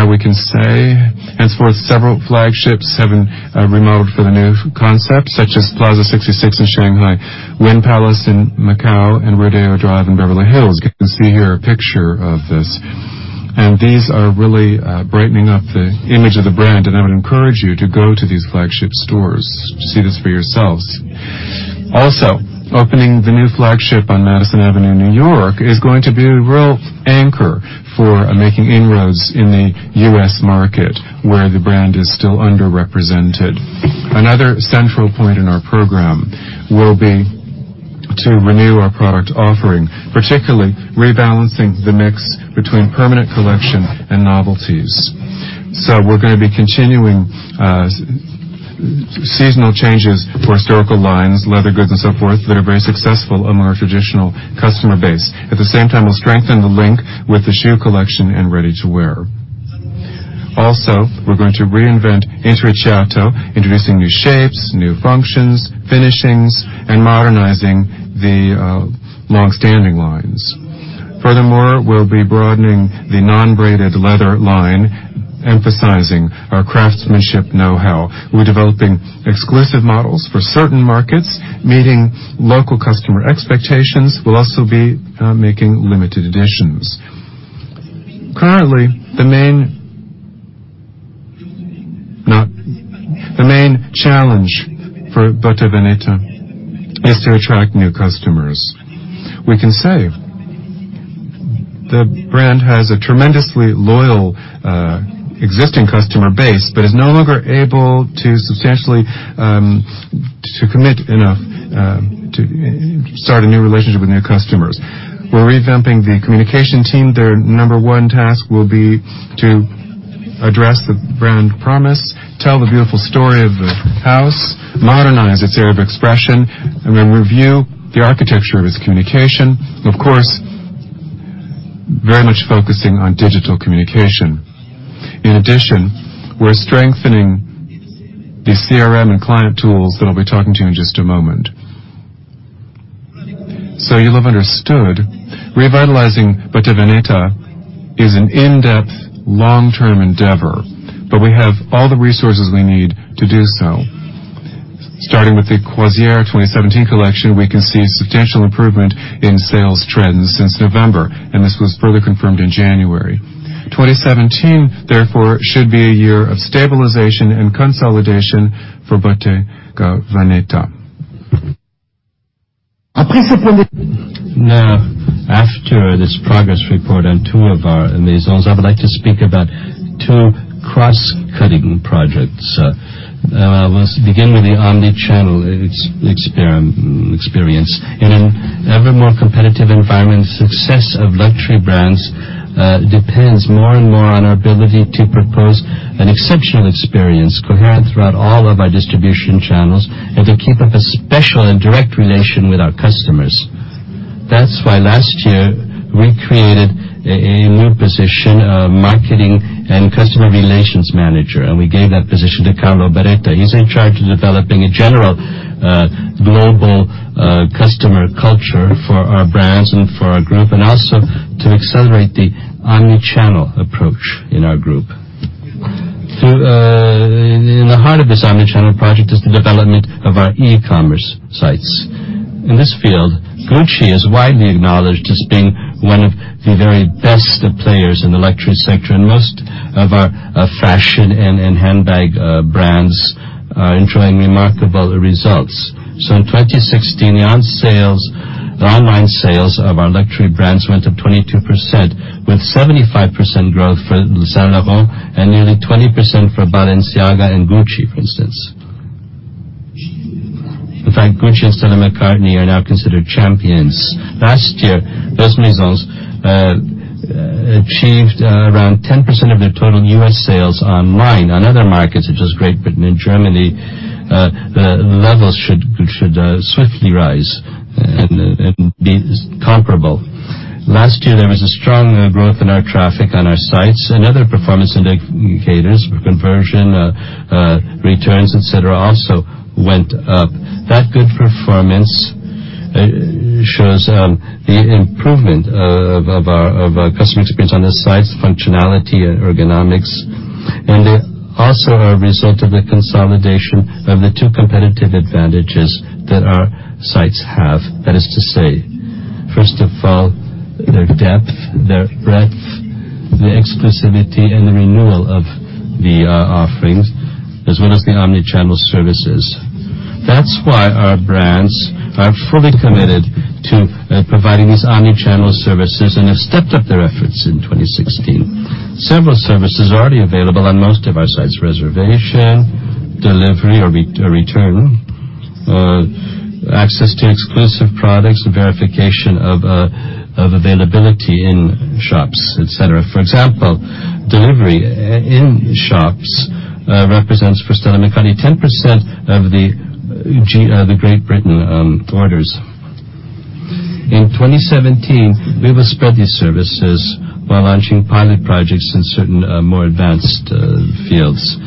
D: We can say henceforth, several flagships have been remodeled for the new concept, such as Plaza 66 in Shanghai, Wynn Palace in Macau, and Rodeo Drive in Beverly Hills. You can see here a picture of this. These are really brightening up the image of the brand, and I would encourage you to go to these flagship stores to see this for yourselves. Opening the new flagship on Madison Avenue, New York is going to be a real anchor for making inroads in the U.S. market, where the brand is still underrepresented. Another central point in our program will be to renew our product offering, particularly rebalancing the mix between permanent collection and novelties. We're going to be continuing seasonal changes for historical lines, leather goods, and so forth, that are very successful among our traditional customer base. At the same time, we'll strengthen the link with the shoe collection and ready-to-wear. Also, we're going to reinvent Intrecciato, introducing new shapes, new functions, finishings, and modernizing the long-standing lines. Furthermore, we'll be broadening the non-braided leather line, emphasizing our craftsmanship know-how. We're developing exclusive models for certain markets, meeting local customer expectations. We'll also be making limited editions. Currently, the main challenge for Bottega Veneta is to attract new customers. We can say the brand has a tremendously loyal existing customer base, but is no longer able to substantially to commit enough to start a new relationship with new customers. We're revamping the communication team. Their number 1 task will be to address the brand promise, tell the beautiful story of the house, modernize its area of expression, and we'll review the architecture of its communication. Of course, very much focusing on digital communication. In addition, we're strengthening the CRM and client tools that I'll be talking to you in just a moment. You'll have understood, revitalizing Bottega Veneta is an in-depth, long-term endeavor, but we have all the resources we need to do so. Starting with the Croisière 2017 collection, we can see substantial improvement in sales trends since November, and this was further confirmed in January. 2017, therefore, should be a year of stabilization and consolidation for Bottega Veneta.
B: After this progress report on two of our Maisons, I would like to speak about two cross-cutting projects. Let's begin with the omnichannel experience. In an ever more competitive environment, success of luxury brands depends more and more on our ability to propose an exceptional experience coherent throughout all of our distribution channels, and to keep up a special and direct relation with our customers. That's why last year, we created a new position of marketing and customer relations manager, and we gave that position to Carlo Beretta. He's in charge of developing a general, global customer culture for our brands and for our group, and also to accelerate the omnichannel approach in our group. In the heart of this omnichannel project is the development of our e-commerce sites. In this field, Gucci is widely acknowledged as being one of the very best players in the luxury sector, and most of our fashion and handbag brands are enjoying remarkable results. In 2016, the online sales of our luxury brands went up 22%, with 75% growth for Saint Laurent and nearly 20% for Balenciaga and Gucci, for instance. In fact, Gucci and Stella McCartney are now considered champions. Last year, those Maisons achieved around 10% of their total U.S. sales online. On other markets, such as Great Britain and Germany, the levels should swiftly rise and be comparable. Last year, there was a strong growth in our traffic on our sites and other performance indicators for conversion, returns, et cetera, also went up. That good performance shows the improvement of our customer experience on the site's functionality and ergonomics, and they also are a result of the consolidation of the two competitive advantages that our sites have. That is to say, first of all, their depth, their breadth, the exclusivity and the renewal of the offerings, as well as the omnichannel services. That's why our brands are fully committed to providing these omnichannel services and have stepped up their efforts in 2016. Several services are already available on most of our sites: reservation, delivery or re-return, access to exclusive products, the verification of availability in shops, et cetera. For example, delivery in shops represents for Stella McCartney 10% of the Great Britain orders. In 2017, we will spread these services while launching pilot projects in certain more advanced fields.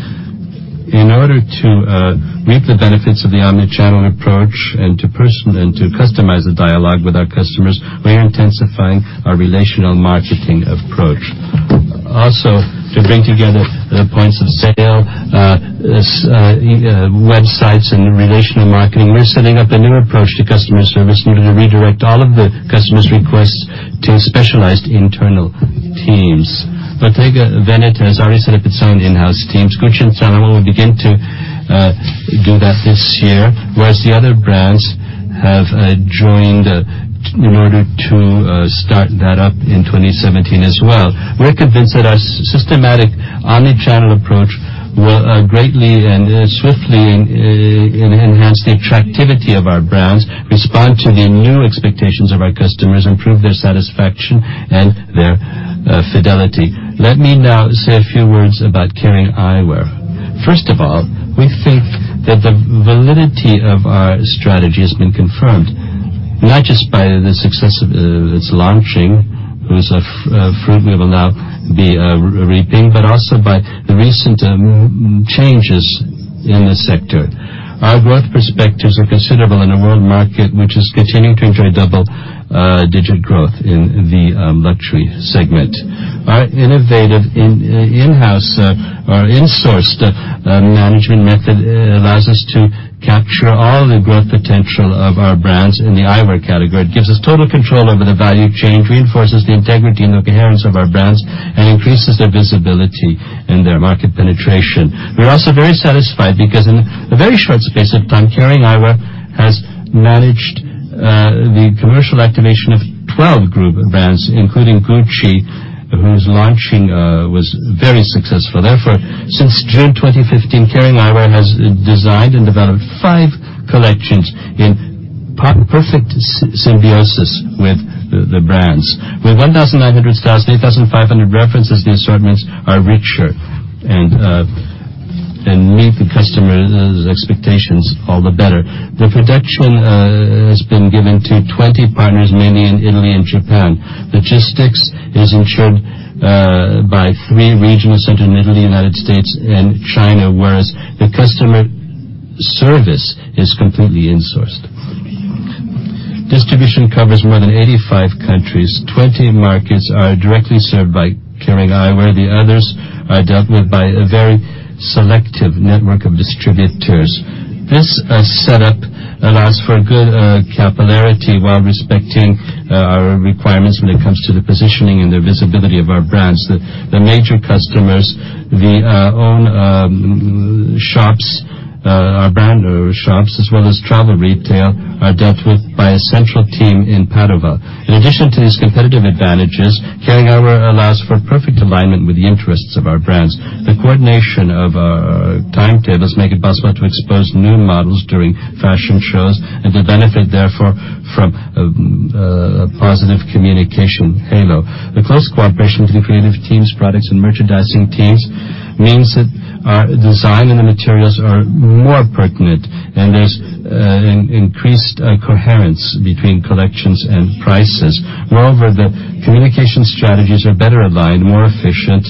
B: In order to reap the benefits of the omnichannel approach and to customize the dialogue with our customers, we're intensifying our relational marketing approach. To bring together the points of sale, websites and relational marketing, we're setting up a new approach to customer service in order to redirect all of the customers' requests to specialized internal teams. Bottega Veneta has already set up its own in-house teams. Gucci and Saint Laurent will begin to do that this year, whereas the other brands have joined in order to start that up in 2017 as well. We are convinced that our systematic omni-channel approach will greatly and swiftly enhance the attractivity of our brands, respond to the new expectations of our customers, improve their satisfaction and their fidelity. Let me now say a few words about Kering Eyewear. First of all, we think that the validity of our strategy has been confirmed, not just by the success of its launching, whose fruit we will now be reaping, but also by the recent changes in the sector. Our growth perspectives are considerable in a world market which is continuing to enjoy double-digit growth in the luxury segment. Our innovative in-house or insourced management method allows us to capture all the growth potential of our brands in the eyewear category. It gives us total control over the value chain, reinforces the integrity and the coherence of our brands, and increases their visibility and their market penetration. We're also very satisfied because in a very short space of time, Kering Eyewear has managed the commercial activation of 12 group brands, including Gucci, whose launching was very successful. Since June 2015, Kering Eyewear has designed and developed five collections in perfect symbiosis with the brands. With 1,900 styles and 8,500 references, the assortments are richer and meet the customers' expectations all the better. The production has been given to 20 partners, mainly in Italy and Japan. Logistics is ensured by three regional centers in Italy, U.S. and China, whereas the customer service is completely insourced. Distribution covers more than 85 countries. 20 markets are directly served by Kering Eyewear. The others are dealt with by a very selective network of distributors. This setup allows for good capillarity while respecting our requirements when it comes to the positioning and the visibility of our brands. The major customers, our brand owner shops as well as travel retail are dealt with by a central team in Padova. In addition to these competitive advantages, Kering Eyewear allows for perfect alignment with the interests of our brands. The coordination of timetables make it possible to expose new models during fashion shows and to benefit therefore from a positive communication halo. The close cooperation between creative teams, products, and merchandising teams means that our design and the materials are more pertinent, and there's increased coherence between collections and prices. Moreover, the communication strategies are better aligned, more efficient,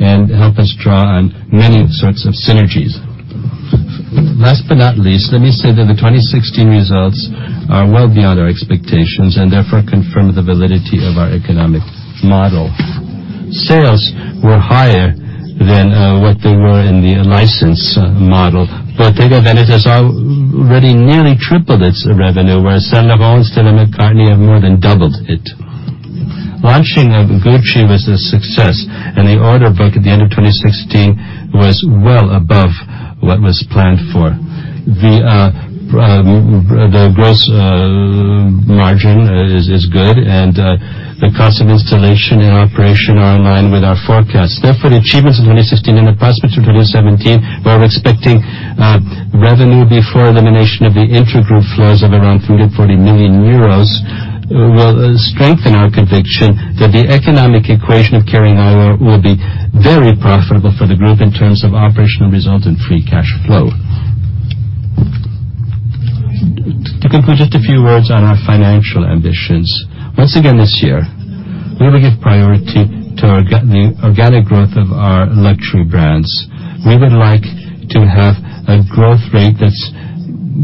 B: and help us draw on many sorts of synergies. Last but not least, let me say that the 2016 results are well beyond our expectations and therefore confirm the validity of our economic model. Sales were higher than what they were in the license model. Bottega Veneta has already nearly tripled its revenue, whereas Saint Laurent and Stella McCartney have more than doubled it. Launching of Gucci was a success, and the order book at the end of 2016 was well above what was planned for. The gross margin is good, and the cost of installation and operation are in line with our forecast. Therefore, the achievements of 2016 and the prospects of 2017, where we're expecting revenue before elimination of the intragroup flows of around 340 million euros, will strengthen our conviction that the economic equation of Kering will be very profitable for the group in terms of operational results and free cash flow. To conclude, just a few words on our financial ambitions. Once again, this year, we will give priority to the organic growth of our luxury brands. We would like to have a growth rate that's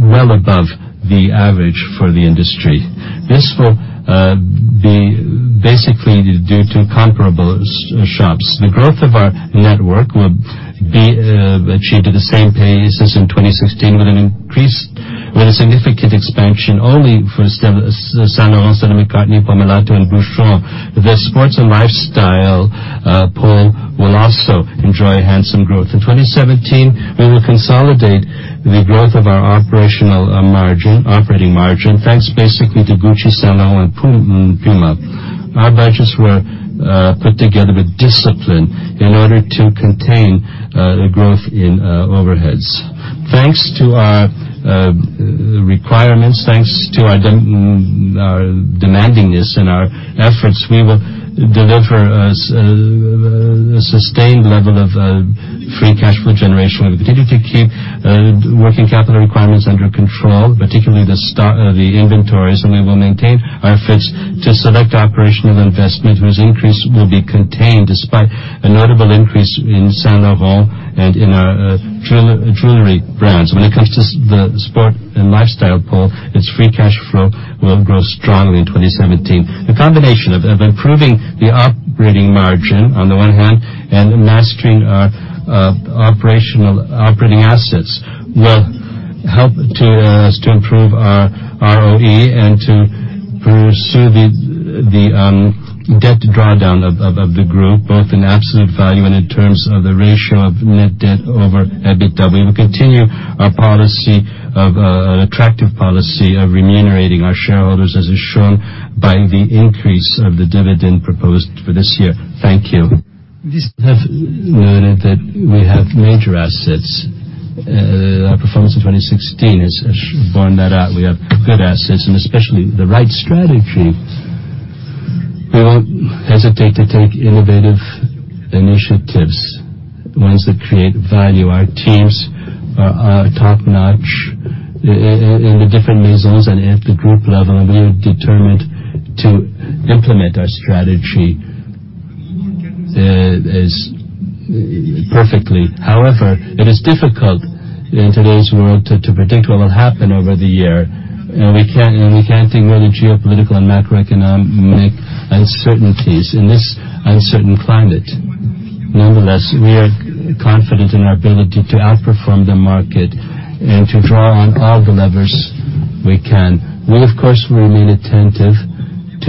B: well above the average for the industry. This will be basically due to comparables shops. The growth of our network will be achieved at the same pace as in 2016, with a significant expansion only for Saint Laurent, Stella McCartney, Pomellato, and Boucheron. The sports and lifestyle pool will also enjoy handsome growth. In 2017, we will consolidate the growth of our operating margin, thanks basically to Gucci, Saint Laurent, and Puma. Our budgets were put together with discipline in order to contain growth in overheads. Thanks to our requirements, thanks to our demandingness and our efforts, we will deliver a sustained level of free cash flow generation. We will continue to keep working capital requirements under control, particularly the inventories, and we will maintain our efforts to select operational investment whose increase will be contained despite a notable increase in Saint Laurent and in our jewelry brands. When it comes to the sports and lifestyle pool, its free cash flow will grow strongly in 2017. The combination of improving the operating margin on the one hand and mastering our operational operating assets will help us to improve our ROE and to pursue the debt drawdown of the group, both in absolute value and in terms of the ratio of net debt over EBITDA. We will continue our policy of an attractive policy of remunerating our shareholders, as is shown by the increase of the dividend proposed for this year. Thank you. This have, that we have major assets. Our performance in 2016 has borne that out. We have good assets and especially the right strategy. We won't hesitate to take innovative initiatives, ones that create value. Our teams are top-notch. In the different Maisons and at the group level, we are determined to implement our strategy as perfectly. However, it is difficult in today's world to predict what will happen over the year. We can't ignore the geopolitical and macroeconomic uncertainties in this uncertain climate. Nonetheless, we are confident in our ability to outperform the market and to draw on all the levers we can. We, of course, will remain attentive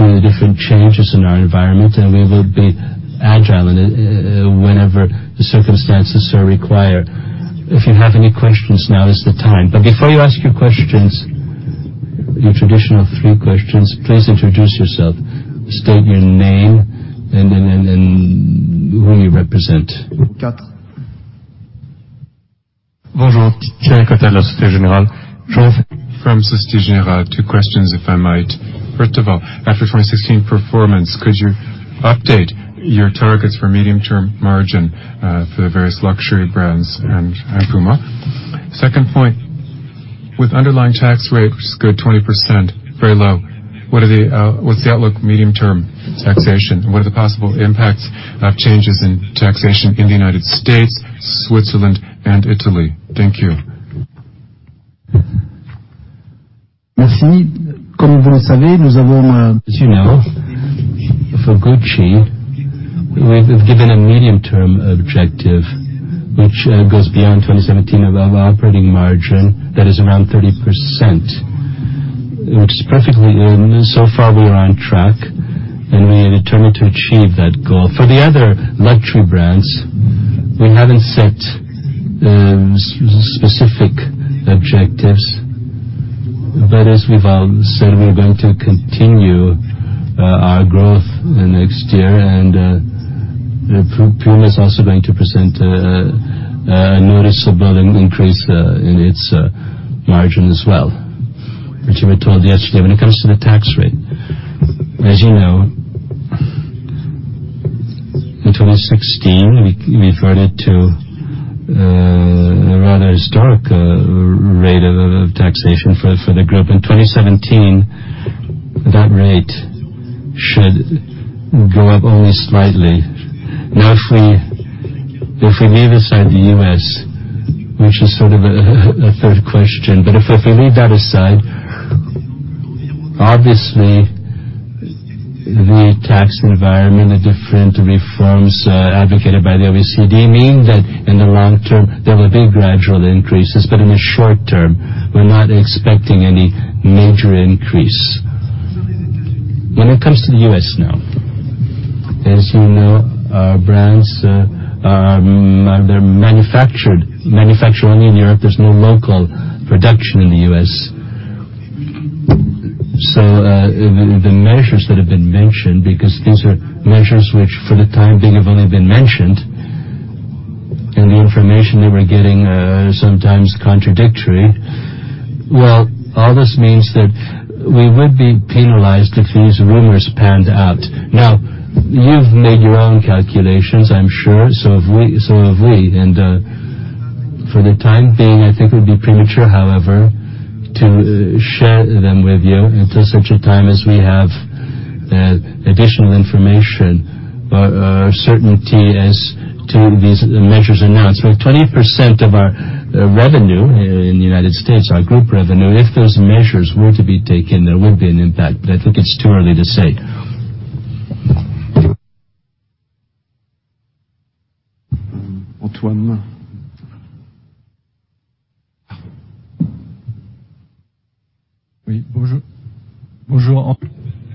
B: to the different changes in our environment, and we will be agile in whenever the circumstances so require. If you have any questions, now is the time. Before you ask your questions, your traditional three questions, please introduce yourself. State your name and who you represent.
A: Quatre.
E: Bonjour. Thierry Cota, Société Générale. From Société Générale, two questions, if I might. First of all, after 2016 performance, could you update your targets for medium-term margin for the various luxury brands and Puma? Second point, with underlying tax rate, which is a good 20%, very low, what's the outlook medium-term taxation? What are the possible impacts of changes in taxation in the U.S., Switzerland, and Italy? Thank you.
C: As you know, for Gucci, we've given a medium-term objective which goes beyond 2017 of our operating margin that is around 30%, which is perfectly. So far we are on track, and we are determined to achieve that goal. For the other luxury brands, we haven't set specific objectives. As we've all said, we're going to continue our growth in next year, and Puma is also going to present a noticeable increase in its margin as well, which we were told yesterday. When it comes to the tax rate, as you know, in 2016, we reverted to a rather historic rate of taxation for the group. In 2017, that rate should go up only slightly. Now if we, if we leave aside the U.S., which is sort of a third question, but if we leave that aside, obviously, the tax environment, the different reforms advocated by the OECD mean that in the long term, there will be gradual increases, but in the short term, we're not expecting any major increase. When it comes to the U.S. now, as you know, our brands are manufactured only in Europe. There's no local production in the U.S. The measures that have been mentioned, because these are measures which for the time being have only been mentioned, and the information that we're getting is sometimes contradictory. Well, all this means that we would be penalized if these rumors panned out. Now, you've made your own calculations, I'm sure. Have we? For the time being, I think it would be premature, however, to share them with you until such a time as we have additional information or certainty as to these measures announced. With 20% of our revenue in the U.S., our group revenue, if those measures were to be taken, there would be an impact, I think it's too early to say.
A: Antoine.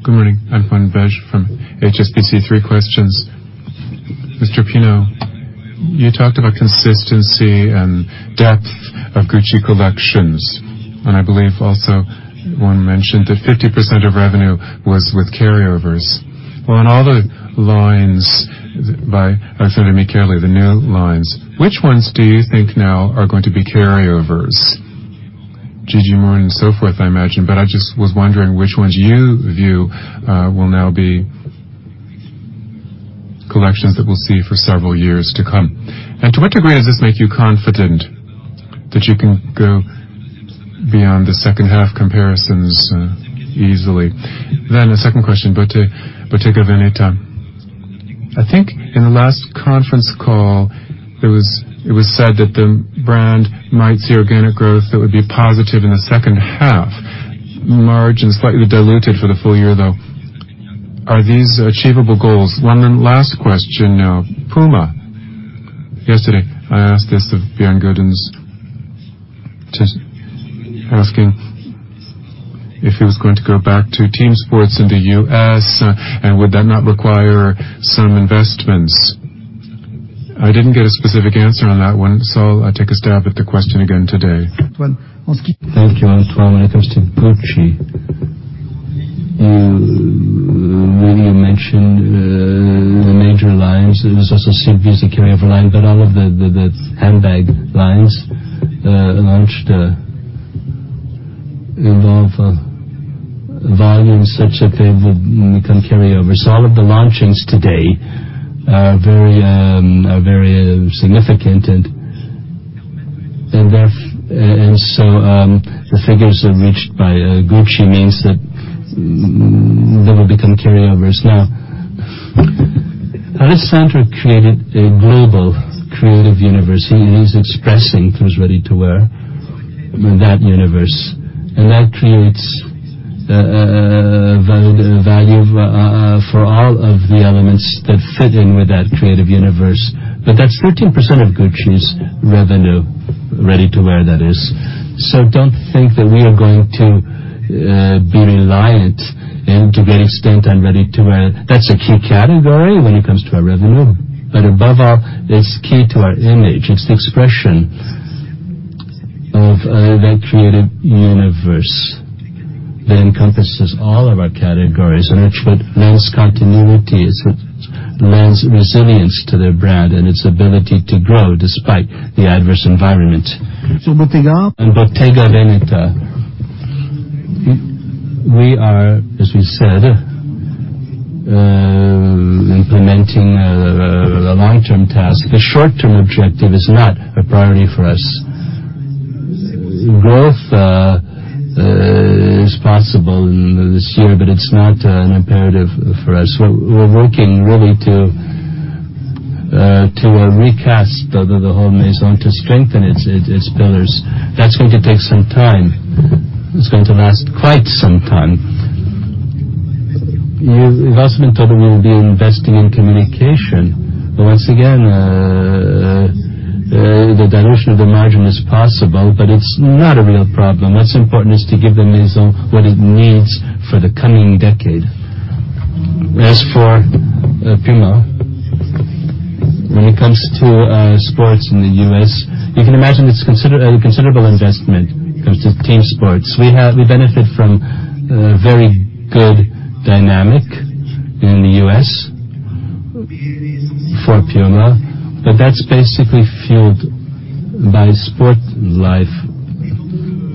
F: Good morning. Antoine Belge from HSBC. Three questions. Mr. Pinault, you talked about consistency and depth of Gucci collections. I believe also one mentioned that 50% of revenue was with carryovers. In all the lines by Alessandro Michele, the new lines, which ones do you think now are going to be carryovers? GG Marmont and so forth, I imagine, but I just was wondering which ones you view will now be collections that we'll see for several years to come. To what degree does this make you confident that you can go beyond the second half comparisons easily? A second question, Bottega Veneta. I think in the last conference call, it was said that the brand might see organic growth that would be positive in the second half. Margin slightly diluted for the full year, though. Are these achievable goals? One last question now. Puma. Yesterday, I asked this of Bjørn Gulden just asking if he was going to go back to team sports in the U.S., and would that not require some investments? I didn't get a specific answer on that one, so I'll take a stab at the question again today.
B: Thank you, Antoine. When it comes to Gucci, you, well, you mentioned the major lines. There was also Sylvie, the carryover line, all of the handbag lines launched, you know, of volumes such that they would become carryovers. All of the launchings today are very, are very significant. The figures reached by Gucci means that they will become carryovers. Alessandro created a global creative universe. He's expressing through his ready-to-wear that universe. That creates value for all of the elements that fit in with that creative universe. That's 13% of Gucci's revenue, ready-to-wear that is. Don't think that we are going to be reliant in to getting spent on ready-to-wear. That's a key category when it comes to our revenue. Above all, it's key to our image. It's the expression of that creative universe that encompasses all of our categories and which would lends continuity. It lends resilience to the brand and its ability to grow despite the adverse environment. In Bottega Veneta, we are, as we said, implementing a long-term task. The short-term objective is not a priority for us. Growth is possible this year, but it's not an imperative for us. We're working really to recast the whole Maison, to strengthen its pillars. That's going to take some time. It's going to last quite some time. You've also been told that we will be investing in communication. Once again, the dilution of the margin is possible, but it's not a real problem. What's important is to give the Maison what it needs for the coming decade. As for Puma. When it comes to sports in the U.S., you can imagine it's a considerable investment when it comes to team sports. We benefit from a very good dynamic in the U.S. for Puma, but that's basically fueled by sport life,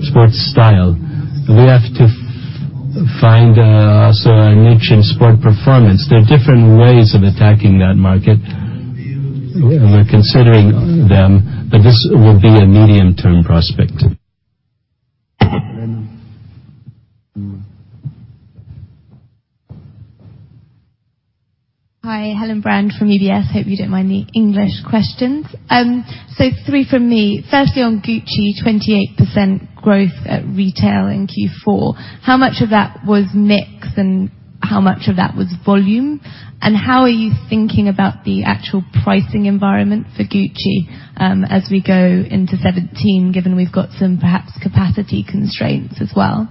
B: sport style. We have to find also our niche in sport performance. There are different ways of attacking that market. We're considering them, but this will be a medium-term prospect.
G: Hi, Helen Brand from UBS. Hope you don't mind the English questions. Three from me. Firstly, on Gucci, 28% growth at retail in Q4. How much of that was mix, and how much of that was volume? How are you thinking about the actual pricing environment for Gucci as we go into 2017, given we've got some, perhaps, capacity constraints as well?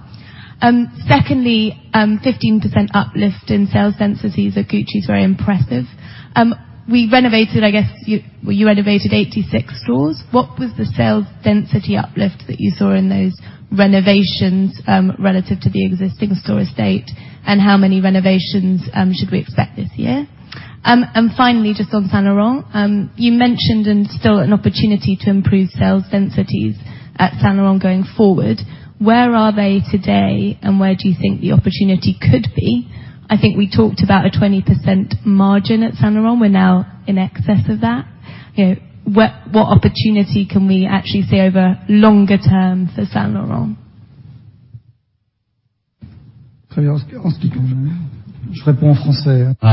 G: Secondly, 15% uplift in sales densities at Gucci is very impressive. You renovated 86 stores. What was the sales density uplift that you saw in those renovations relative to the existing store estate? How many renovations should we expect this year? Finally, just on Saint Laurent, you mentioned still an opportunity to improve sales densities at Saint Laurent going forward. Where are they today, and where do you think the opportunity could be? I think we talked about a 20% margin at Saint Laurent. We're now in excess of that. You know, what opportunity can we actually see over longer term for Saint Laurent?
B: I'll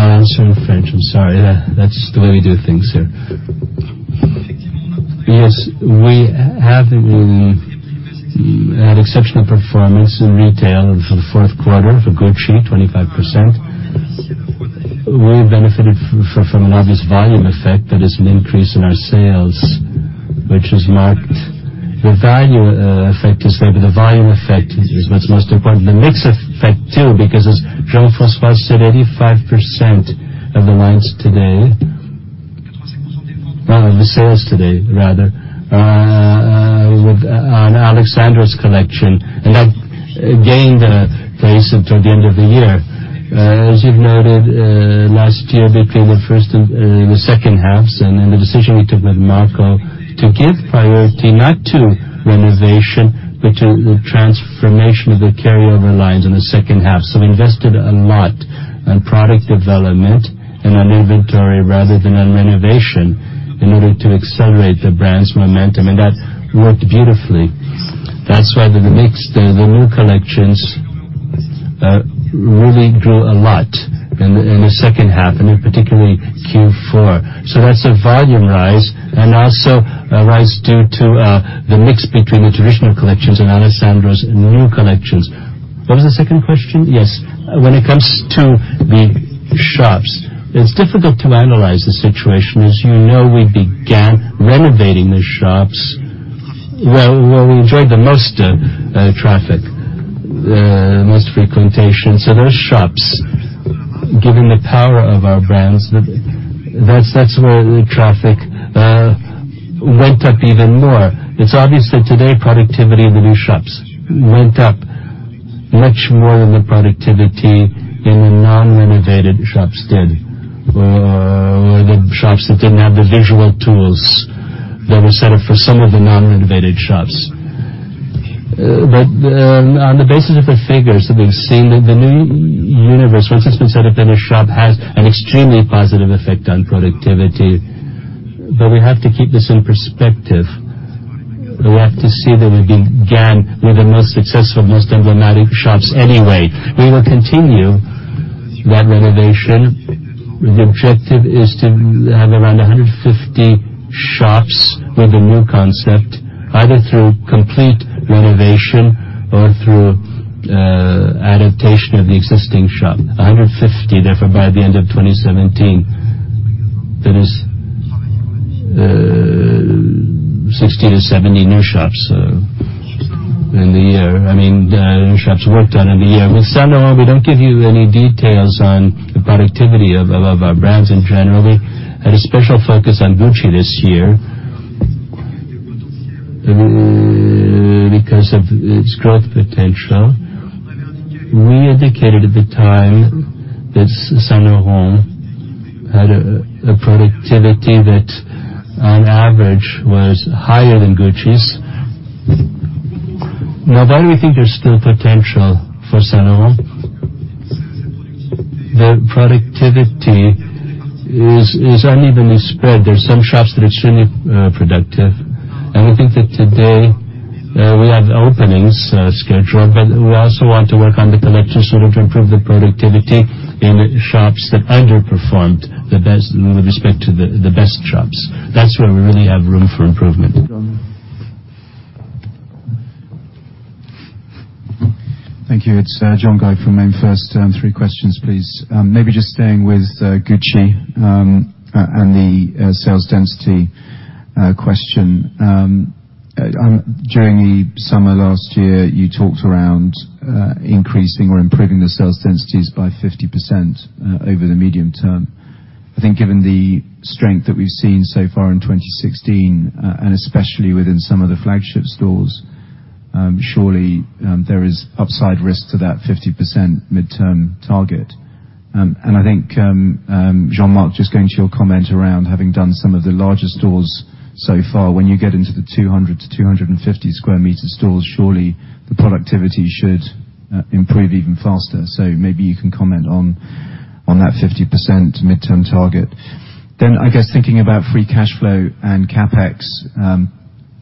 B: answer in French. I'm sorry. That's the way we do things here. Yes, we have had exceptional performance in retail for the fourth quarter for Gucci, 25%. We benefited from an obvious volume effect, that is an increase in our sales, which was marked. The value effect is there, but the volume effect is what's most important. The mix effect, too, because as Jean-François said, 85% of the lines today Well, the sales today, rather, with on Alessandro's collection, and that gained pace until the end of the year. As you've noted, last year between the first and the second halves then the decision we took with Marco to give priority not to renovation, but to the transformation of the carryover lines in the second half. We invested a lot on product development and on inventory rather than on renovation in order to accelerate the brand's momentum, and that worked beautifully. That's why the mix, the new collections, really grew a lot in the second half, and in particularly Q4. That's a volume rise and also a rise due to the mix between the traditional collections and Alessandro's new collections. What was the second question? Yes. When it comes to the shops, it's difficult to analyze the situation. As you know, we began renovating the shops where we enjoyed the most traffic, the most frequentation. Those shops, given the power of our brands, that's where the traffic went up even more. It's obviously today, productivity in the new shops went up much more than the productivity in the non-renovated shops did, or the shops that didn't have the visual tools that were set up for some of the non-renovated shops. On the basis of the figures that we've seen, the new universe, once it's been set up in a shop, has an extremely positive effect on productivity. We have to keep this in perspective. We have to see that we began with the most successful, most emblematic shops anyway. We will continue that renovation. The objective is to have around 150 shops with a new concept, either through complete renovation or through adaptation of the existing shop. 150, therefore, by the end of 2017. That is 60 to 70 new shops in the year. I mean, new shops worked on in the year. With Saint Laurent, we don't give you any details on the productivity of our brands in general. We had a special focus on Gucci this year because of its growth potential. We indicated at the time that Saint Laurent had a productivity that on average was higher than Gucci's. Why do we think there's still potential for Saint Laurent? The productivity is unevenly spread. There's some shops that are extremely productive. We think that today, we have openings scheduled, but we also want to work on the collections in order to improve the productivity in shops that underperformed with respect to the best shops. That's where we really have room for improvement.
H: Thank you. It's John Guy from MainFirst. Three questions, please. Maybe just staying with Gucci and the sales density question. During the summer last year, you talked around increasing or improving the sales densities by 50% over the medium term. Given the strength that we've seen so far in 2016, and especially within some of the flagship stores, surely there is upside risk to that 50% midterm target. Jean-Marc, just going to your comment around having done some of the larger stores so far, when you get into the 200-250 sq m stores, surely the productivity should improve even faster. Maybe you can comment on that 50% midterm target. I guess thinking about free cash flow and CapEx,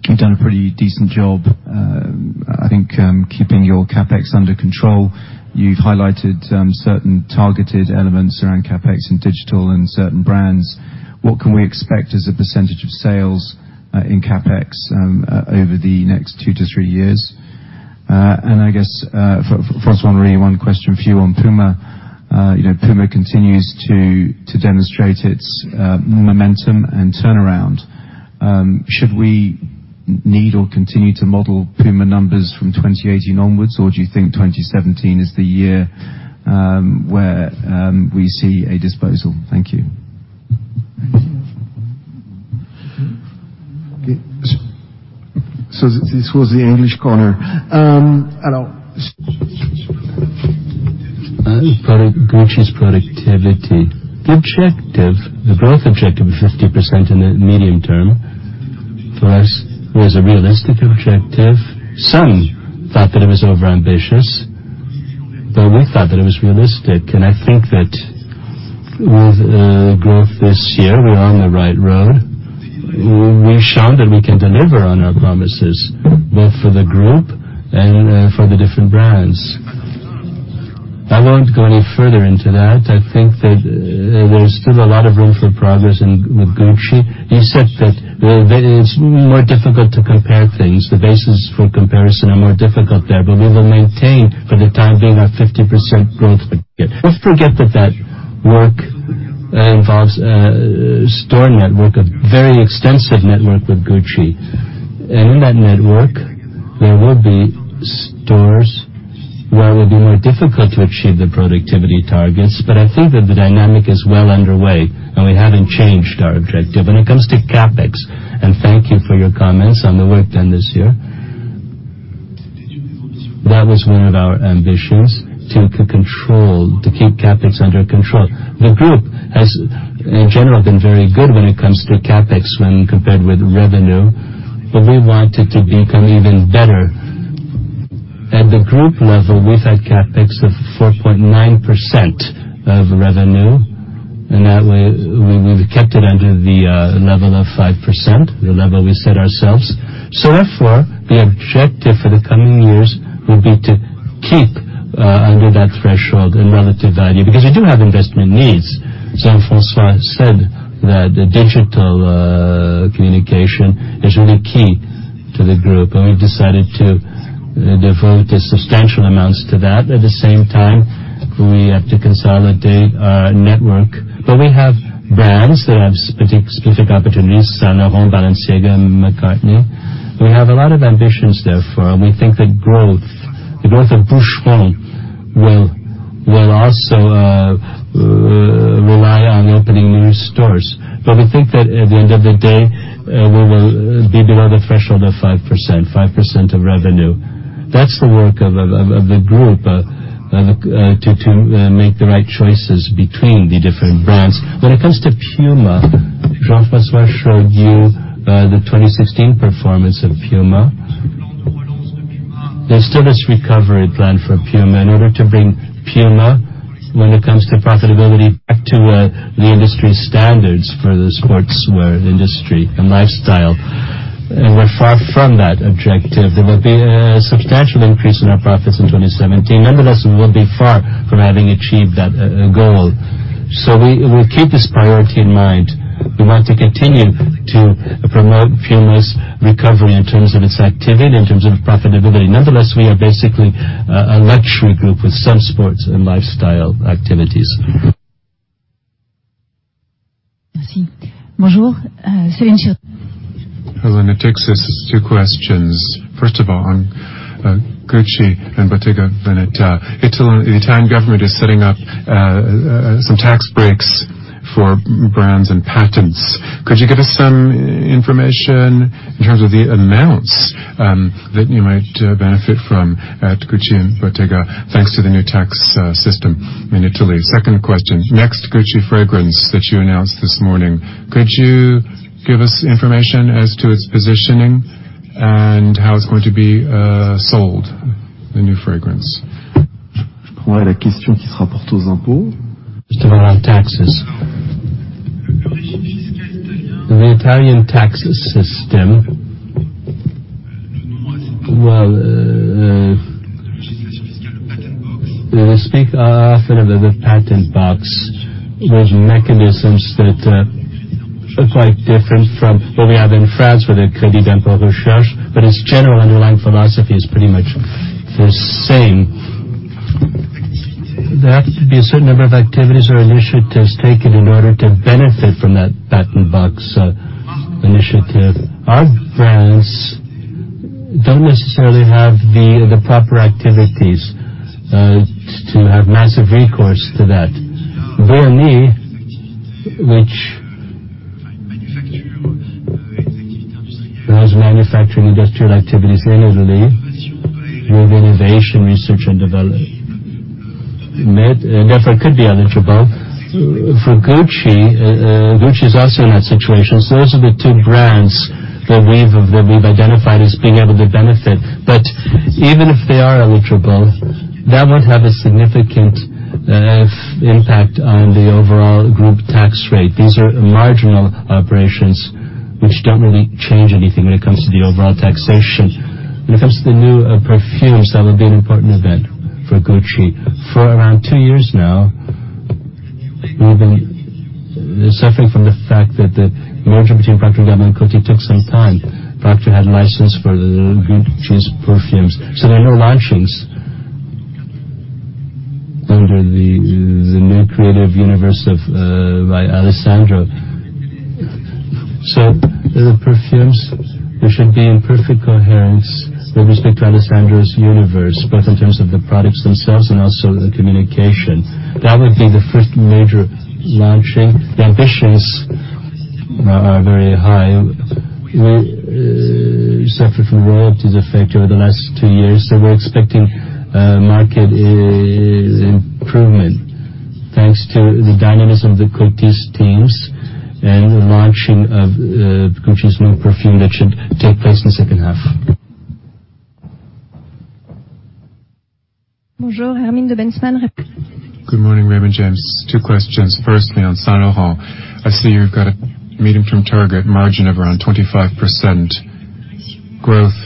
H: you've done a pretty decent job, I think, keeping your CapEx under control. You've highlighted certain targeted elements around CapEx in digital and certain brands. What can we expect as a percentage of sales in CapEx over the next 2-3 years? I guess for François-Henri, one question for you on Puma. You know, Puma continues to demonstrate its momentum and turnaround. Should we need or continue to model Puma numbers from 2018 onwards, or do you think 2017 is the year where we see a disposal? Thank you.
B: Thank you. This was the English corner. Hello. Gucci's productivity. The objective, the growth objective of 50% in the medium term for us was a realistic objective. Some thought that it was overambitious, but we thought that it was realistic, and I think that with growth this year, we're on the right road. We've shown that we can deliver on our promises, both for the group and for the different brands. I won't go any further into that. I think that there's still a lot of room for progress in, with Gucci. You said that it's more difficult to compare things. The basis for comparison are more difficult there, but we will maintain for the time being our 50% growth. Let's forget that that work involves a store network, a very extensive network with Gucci. In that network, there will be stores where it will be more difficult to achieve the productivity targets, but I think that the dynamic is well underway, and we haven't changed our objective. When it comes to CapEx, thank you for your comments on the work done this year. That was one of our ambitions, to keep CapEx under control. The group has in general been very good when it comes to CapEx when compared with revenue, but we want it to become even better. At the group level, we've had CapEx of 4.9% of revenue, that way we've kept it under the level of 5%, the level we set ourselves. Therefore, the objective for the coming years will be to keep under that threshold in relative value, because we do have investment needs. Jean-François said that the digital communication is really key to the group, and we've decided to devote substantial amounts to that. At the same time, we have to consolidate our network. We have brands that have specific opportunities, Saint Laurent, Balenciaga, McCartney. We have a lot of ambitions therefore. We think that growth, the growth of Boucheron will also rely on opening new stores. We think that at the end of the day, we will be below the threshold of 5%, 5% of revenue. That's the work of the group to make the right choices between the different brands. When it comes to Puma, Jean-François showed you the 2016 performance of Puma. There's still this recovery plan for Puma in order to bring Puma, when it comes to profitability, back to the industry standards for the sportswear industry and lifestyle. We're far from that objective. There will be a substantial increase in our profits in 2017. Nonetheless, we will be far from having achieved that goal. We keep this priority in mind. We want to continue to promote Puma's recovery in terms of its activity, in terms of profitability. Nevertheless, we are basically a luxury group with some sports and lifestyle activities.
I: Merci. Bonjour, Celine.
J: Hello, it takes us two questions. First of all, on Gucci and Bottega Veneta. Italy, the Italian government is setting up some tax breaks for brands and patents. Could you give us some information in terms of the amounts that you might benefit from at Gucci and Bottega, thanks to the new tax system in Italy? Second question. Next Gucci fragrance that you announced this morning, could you give us information as to its positioning and how it's going to be sold, the new fragrance?
C: Just about taxes. The Italian tax system, well, we speak often of the patent box. There's mechanisms that are quite different from what we have in France with the Crédit d'Impôt Recherche, but its general underlying philosophy is pretty much the same. There have to be a certain number of activities or initiatives taken in order to benefit from that patent box initiative. Our brands don't necessarily have the proper activities to have massive recourse to that. Brioni, which has manufacturing industrial activities in Italy with innovation, research, and development. It, therefore, could be eligible. For Gucci is also in that situation. Those are the two brands that we've identified as being able to benefit. Even if they are eligible, that won't have a significant impact on the overall group tax rate. These are marginal operations which don't really change anything when it comes to the overall taxation. When it comes to the new perfumes, that will be an important event for Gucci. For around two years now, we've been suffering from the fact that the merger between Procter & Gamble and Coty took some time. Procter had a license for the Gucci's perfumes, there are no launchings under the new creative universe by Alessandro. The perfumes, they should be in perfect coherence with respect to Alessandro's universe, both in terms of the products themselves and also the communication. That would be the first major launching. The ambitions are very high.
D: We suffered from royalties effect over the last two years, so we're expecting market improvement thanks to the dynamism of the Coty's teams and the launching of Gucci's new perfume that should take place in the 2nd half.
K: Bonjour. Hermine de Bentzmann.
J: Good morning, Raymond James. Two questions. Firstly, on Saint Laurent. I see you've got a meeting from target margin of around 25% growth on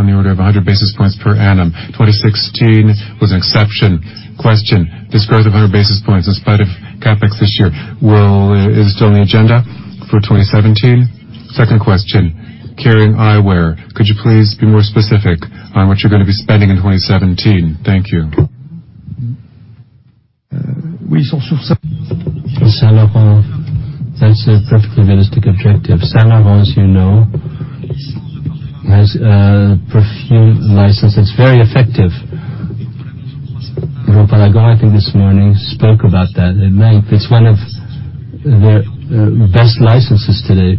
J: the order of 100 basis points per annum. 2016 was an exception. Question, this growth of 100 basis points in spite of CapEx this year, is still on the agenda for 2017? Second question, Kering Eyewear, could you please be more specific on what you're gonna be spending in 2017? Thank you.
D: For Saint Laurent, that's a perfectly realistic objective. Saint Laurent, as you know, has a perfume license. It's very effective. [L'Oréal], I think this morning, spoke about that at length. It's one of their best licenses today.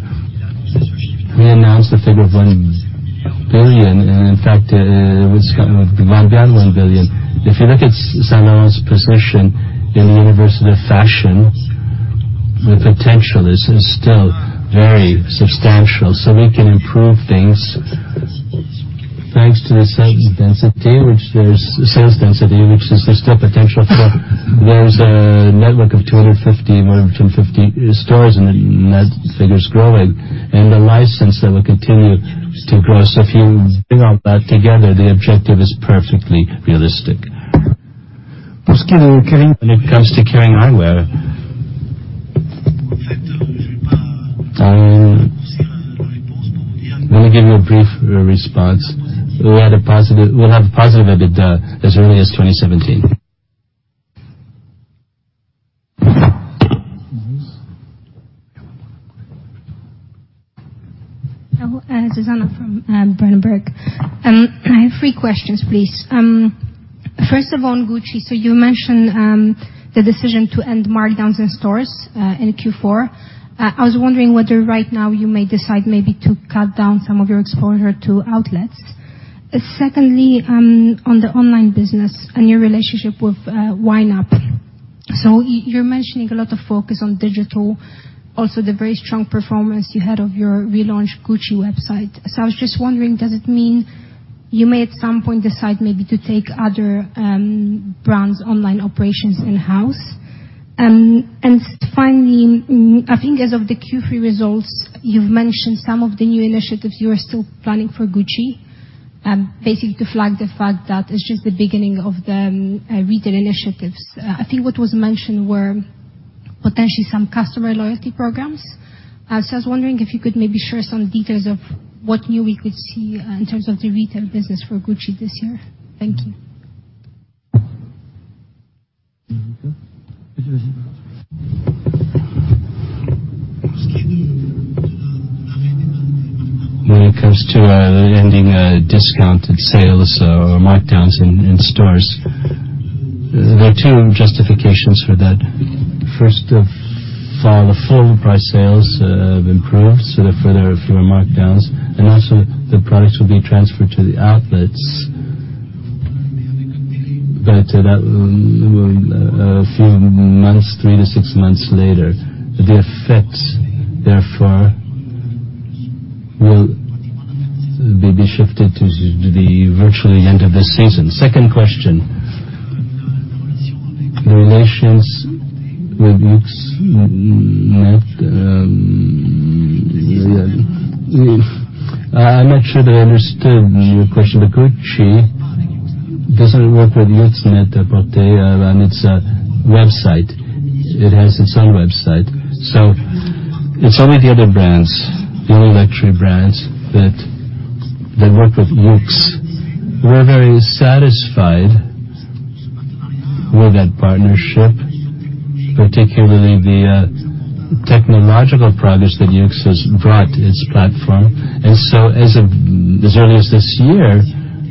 D: We announced a figure of 1 billion, it was gone beyond 1 billion. If you look at Saint Laurent's position in the universe of the fashion, the potential is still very substantial. We can improve things thanks to the site density, sales density, which is there's still potential for. There's a network of 250, more than 250 stores, and that figure is growing, and the license that will continue to grow. If you bring all that together, the objective is perfectly realistic. When it comes to Kering Eyewear, I'm gonna give you a brief response. We'll have a positive EBITDA as early as 2017.
L: Hello, Zuzanna from Berenberg. I have three questions, please. First of all, on Gucci, you mentioned the decision to end markdowns in stores in Q4. I was wondering whether right now you may decide maybe to cut down some of your exposure to outlets. Secondly, on the online business and your relationship with YNAP. You're mentioning a lot of focus on digital, also the very strong performance you had of your relaunched Gucci website. I was just wondering, does it mean you may at some point decide maybe to take other brands online operations in-house? Finally, I think as of the Q3 results, you've mentioned some of the new initiatives you are still planning for Gucci, basically to flag the fact that it's just the beginning of the retail initiatives. I think what was mentioned were potentially some customer loyalty programs. I was wondering if you could maybe share some details of what new we could see in terms of the retail business for Gucci this year. Thank you.
D: When it comes to ending discounted sales or markdowns in stores, there are two justifications for that. First of all, the full price sales have improved, so there are further fewer markdowns, and also the products will be transferred to the outlets. That will a few months, three to six months later. The effects, therefore, will be shifted to the virtually end of the season. Second question, the relations with YOOX Net. I'm not sure that I understood your question, but Gucci doesn't work with YOOX Net. They run its website. It has its own website. It's only the other brands, the other luxury brands that work with YOOX. We're very satisfied with that partnership, particularly the technological progress that YOOX has brought to its platform. As early as this year,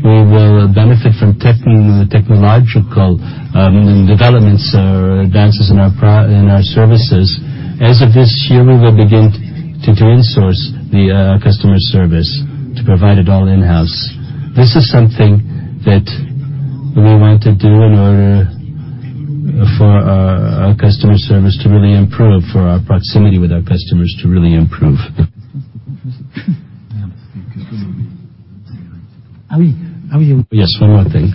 D: we will benefit from the technological developments or advances in our services. As of this year, we will begin to insource the customer service to provide it all in-house. This is something that we want to do in order for our customer service to really improve, for our proximity with our customers to really improve. One more thing.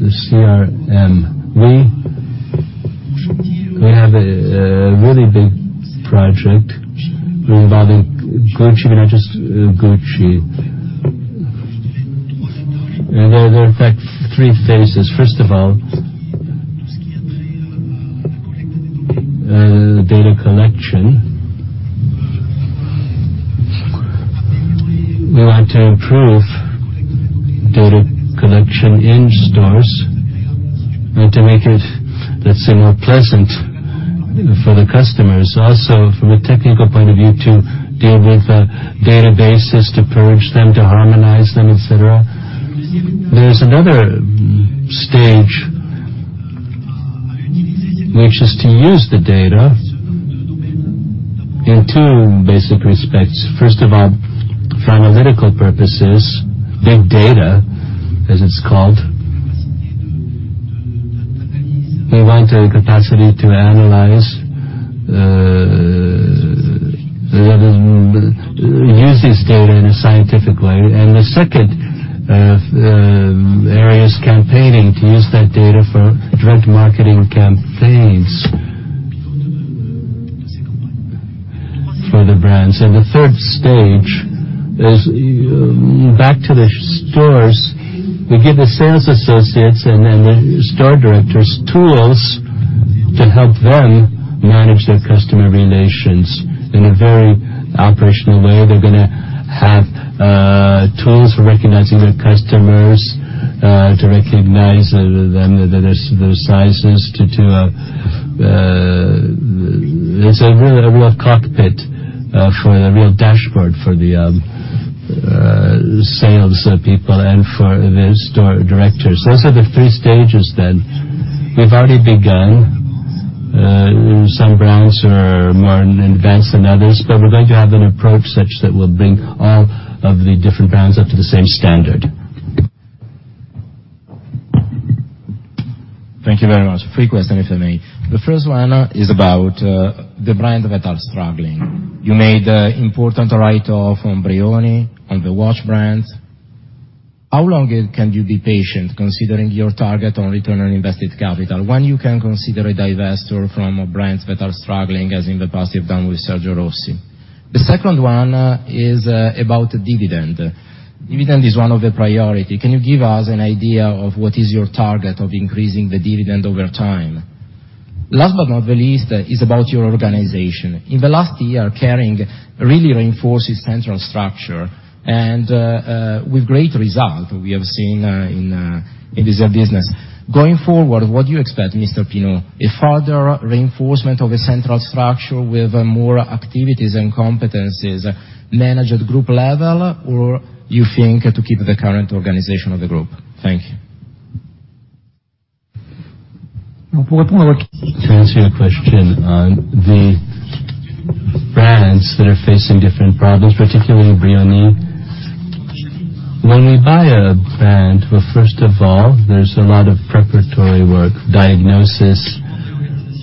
D: The CRM. We have a really big project involving Gucci, not just Gucci. There are in fact three phases. First of all, data collection. We want to improve data collection in stores and to make it, let's say, more pleasant for the customers. Also from a technical point of view, to deal with databases, to purge them, to harmonize them, et cetera. There's another stage, which is to use the data in two basic respects. First of all, for analytical purposes, big data, as it's called. We want a capacity to analyze, use this data in a scientific way. The second area is campaigning, to use that data for direct marketing campaigns for the brands. The third stage is back to the stores. We give the sales associates and the store directors tools to help them manage their customer relations in a very operational way. They're gonna have tools for recognizing their customers, to recognize them, their sizes. It's a real cockpit for the real dashboard for the sales people and for the store directors. Those are the three stages then. We've already begun. Some brands are more advanced than others, but we're going to have an approach such that we'll bring all of the different brands up to the same standard.
M: Thank you very much. Three questions, if I may. The first one is about the brands that are struggling. You made an important write-off on Brioni, on the watch brands. How long can you be patient considering your target on return on invested capital? When you can consider a divest from brands that are struggling, as in the past you've done with Sergio Rossi? The second one is about dividend. Dividend is one of the priorities. Can you give us an idea of what is your target of increasing the dividend over time? Last but not least is about your organization. In the last year, Kering really reinforced its central structure and with great results we have seen in this business. Going forward, what do you expect, Mr. Pinault? A further reinforcement of a central structure with more activities and competencies managed at group level, or you think to keep the current organization of the group? Thank you.
B: To answer your question on the brands that are facing different problems, particularly Brioni. When we buy a brand, well, first of all, there's a lot of preparatory work, diagnosis,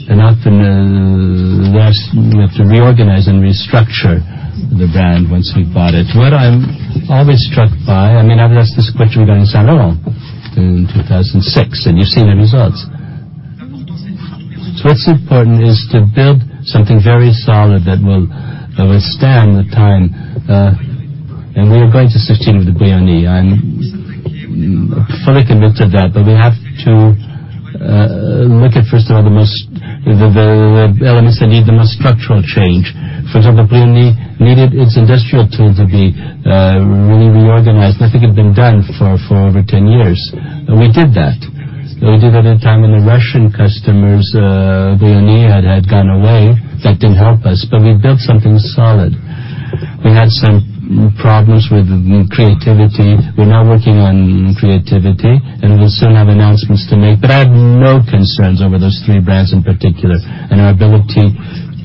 B: and often, we have to reorganize and restructure the brand once we've bought it. What I'm always struck by, I mean, I've asked this question during Saint Laurent in 2006, you've seen the results. What's important is to build something very solid that will withstand the time. We are going to sustain with Brioni. I'm fully committed to that. We have to look at, first of all, the elements that need the most structural change. For example, Brioni needed its industrial tools to be really reorganized. Nothing had been done for over 10 years. We did that. We did it at a time when the Russian customers, Brioni had gone away. That didn't help us, but we built something solid. We had some problems with creativity. We're now working on creativity, and we'll soon have announcements to make. I have no concerns over those three brands in particular and our ability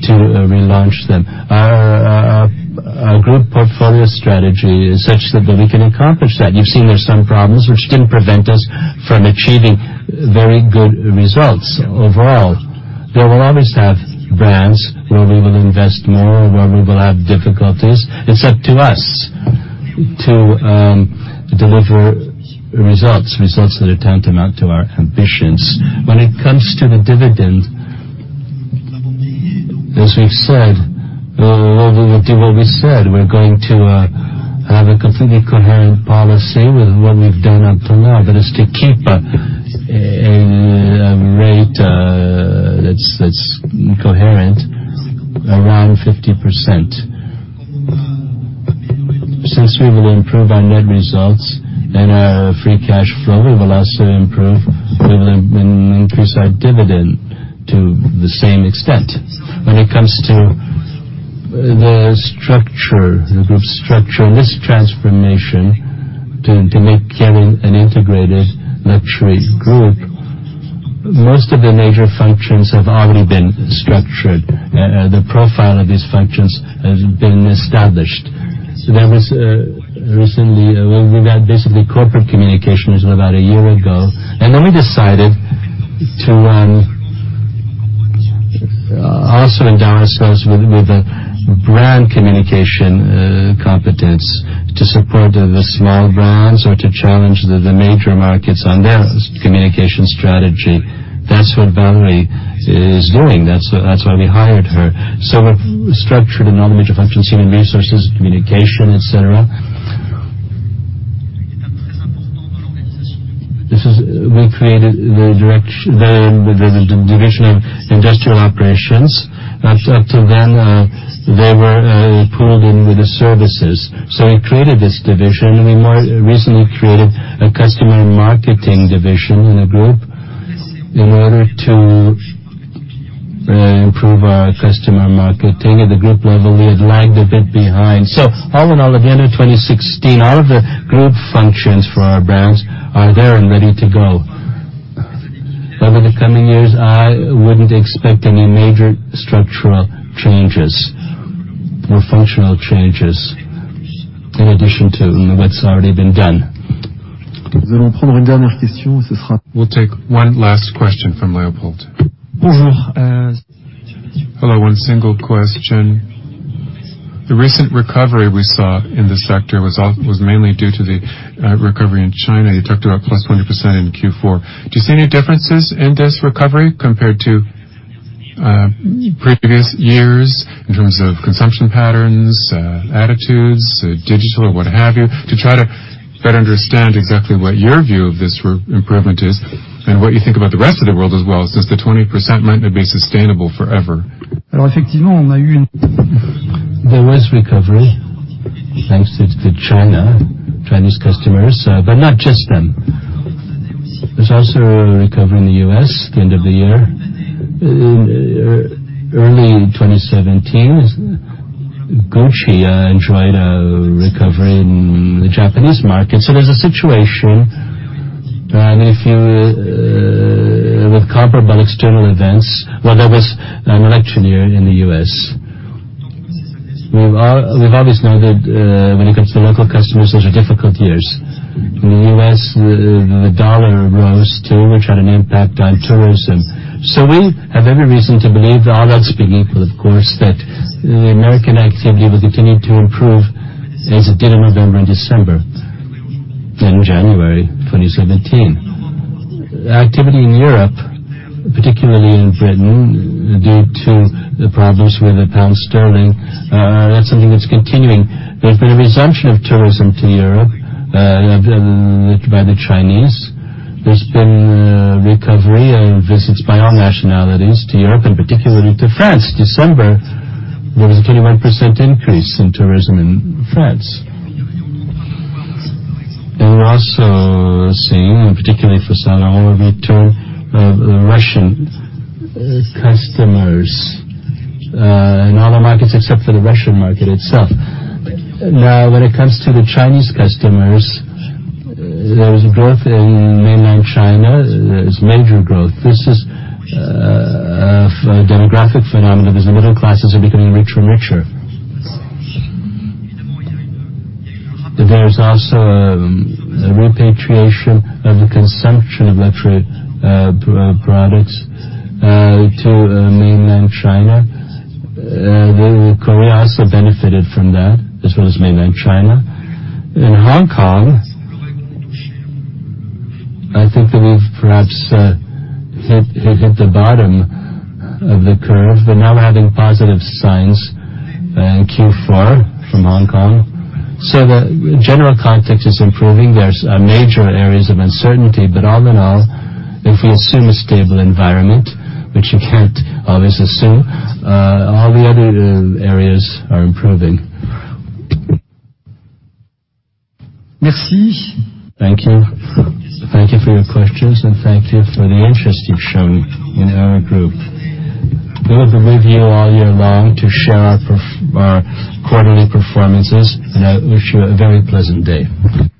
B: to relaunch them. Our group portfolio strategy is such that we can accomplish that. You've seen there's some problems which didn't prevent us from achieving very good results overall. There will always have brands where we will invest more, where we will have difficulties. It's up to us to deliver results that are tantamount to our ambitions. When it comes to the dividend, as we've said, we will do what we said. We're going to have a completely coherent policy with what we've done up to now. That is to keep a rate that's coherent around 50%. Since we will improve our net results and our free cash flow, we will also improve with an increase our dividend to the same extent. When it comes to the structure, the group structure and this transformation to make Kering an integrated luxury group, most of the major functions have already been structured. The profile of these functions has been established. There was, recently, we got basically corporate communications about a year ago, and then we decided to also endow ourselves with a brand communication competence to support the small brands or to challenge the major markets on their communication strategy. That's what Valérie is doing. That's why we hired her. We've structured a number of major functions, human resources, communication, et cetera. We created the division of Industrial Operations. Up till then, they were pooled in with the services. We created this division, and we more recently created a Customer Marketing Division in the group in order to improve our customer marketing. At the group level, we had lagged a bit behind. All in all, at the end of 2016, all of the group functions for our brands are there and ready to go. Over the coming years, I wouldn't expect any major structural changes or functional changes in addition to what's already been done.
C: We'll take one last question from Leopold.
N: Hello. One single question. The recent recovery we saw in the sector was mainly due to the recovery in China. You talked about plus 20% in Q4. Do you see any differences in this recovery compared to previous years in terms of consumption patterns, attitudes, digital or what have you? To try to better understand exactly what your view of this re-improvement is and what you think about the rest of the world as well, since the 20% might not be sustainable forever.
B: There was recovery thanks to China, Chinese customers, but not just them. There's also a recovery in the U.S. at the end of the year. In early 2017, Gucci enjoyed a recovery in the Japanese market. There's a situation, and if you with comparable external events. Well, there was an election year in the U.S. We've always noted, when it comes to local customers, those are difficult years. In the U.S., the U.S. dollar rose too, which had an impact on tourism. We have every reason to believe that all else being equal, of course, that the American activity will continue to improve as it did in November and December and January 2017. Activity in Europe, particularly in Britain, due to the problems with the pound sterling, that's something that's continuing. There's been a resumption of tourism to Europe by the Chinese. There's been a recovery in visits by all nationalities to Europe and particularly to France. December, there was a 21% increase in tourism in France. We're also seeing, particularly for Saint Laurent, a return of Russian customers in all the markets except for the Russian market itself. When it comes to the Chinese customers, there was growth in mainland China. There's major growth. This is for a demographic phenomenon as the middle classes are becoming richer and richer. There's also a repatriation of the consumption of luxury products to mainland China. Korea also benefited from that, as well as mainland China. In Hong Kong, I think that we've perhaps hit the bottom of the curve. We're now having positive signs in Q4 from Hong Kong. The general context is improving. There's major areas of uncertainty. All in all, if we assume a stable environment, which you can't always assume, all the other areas are improving. Thank you. Thank you for your questions, and thank you for the interest you've shown in our group. We will be with you all year long to share our quarterly performances, and I wish you a very pleasant day.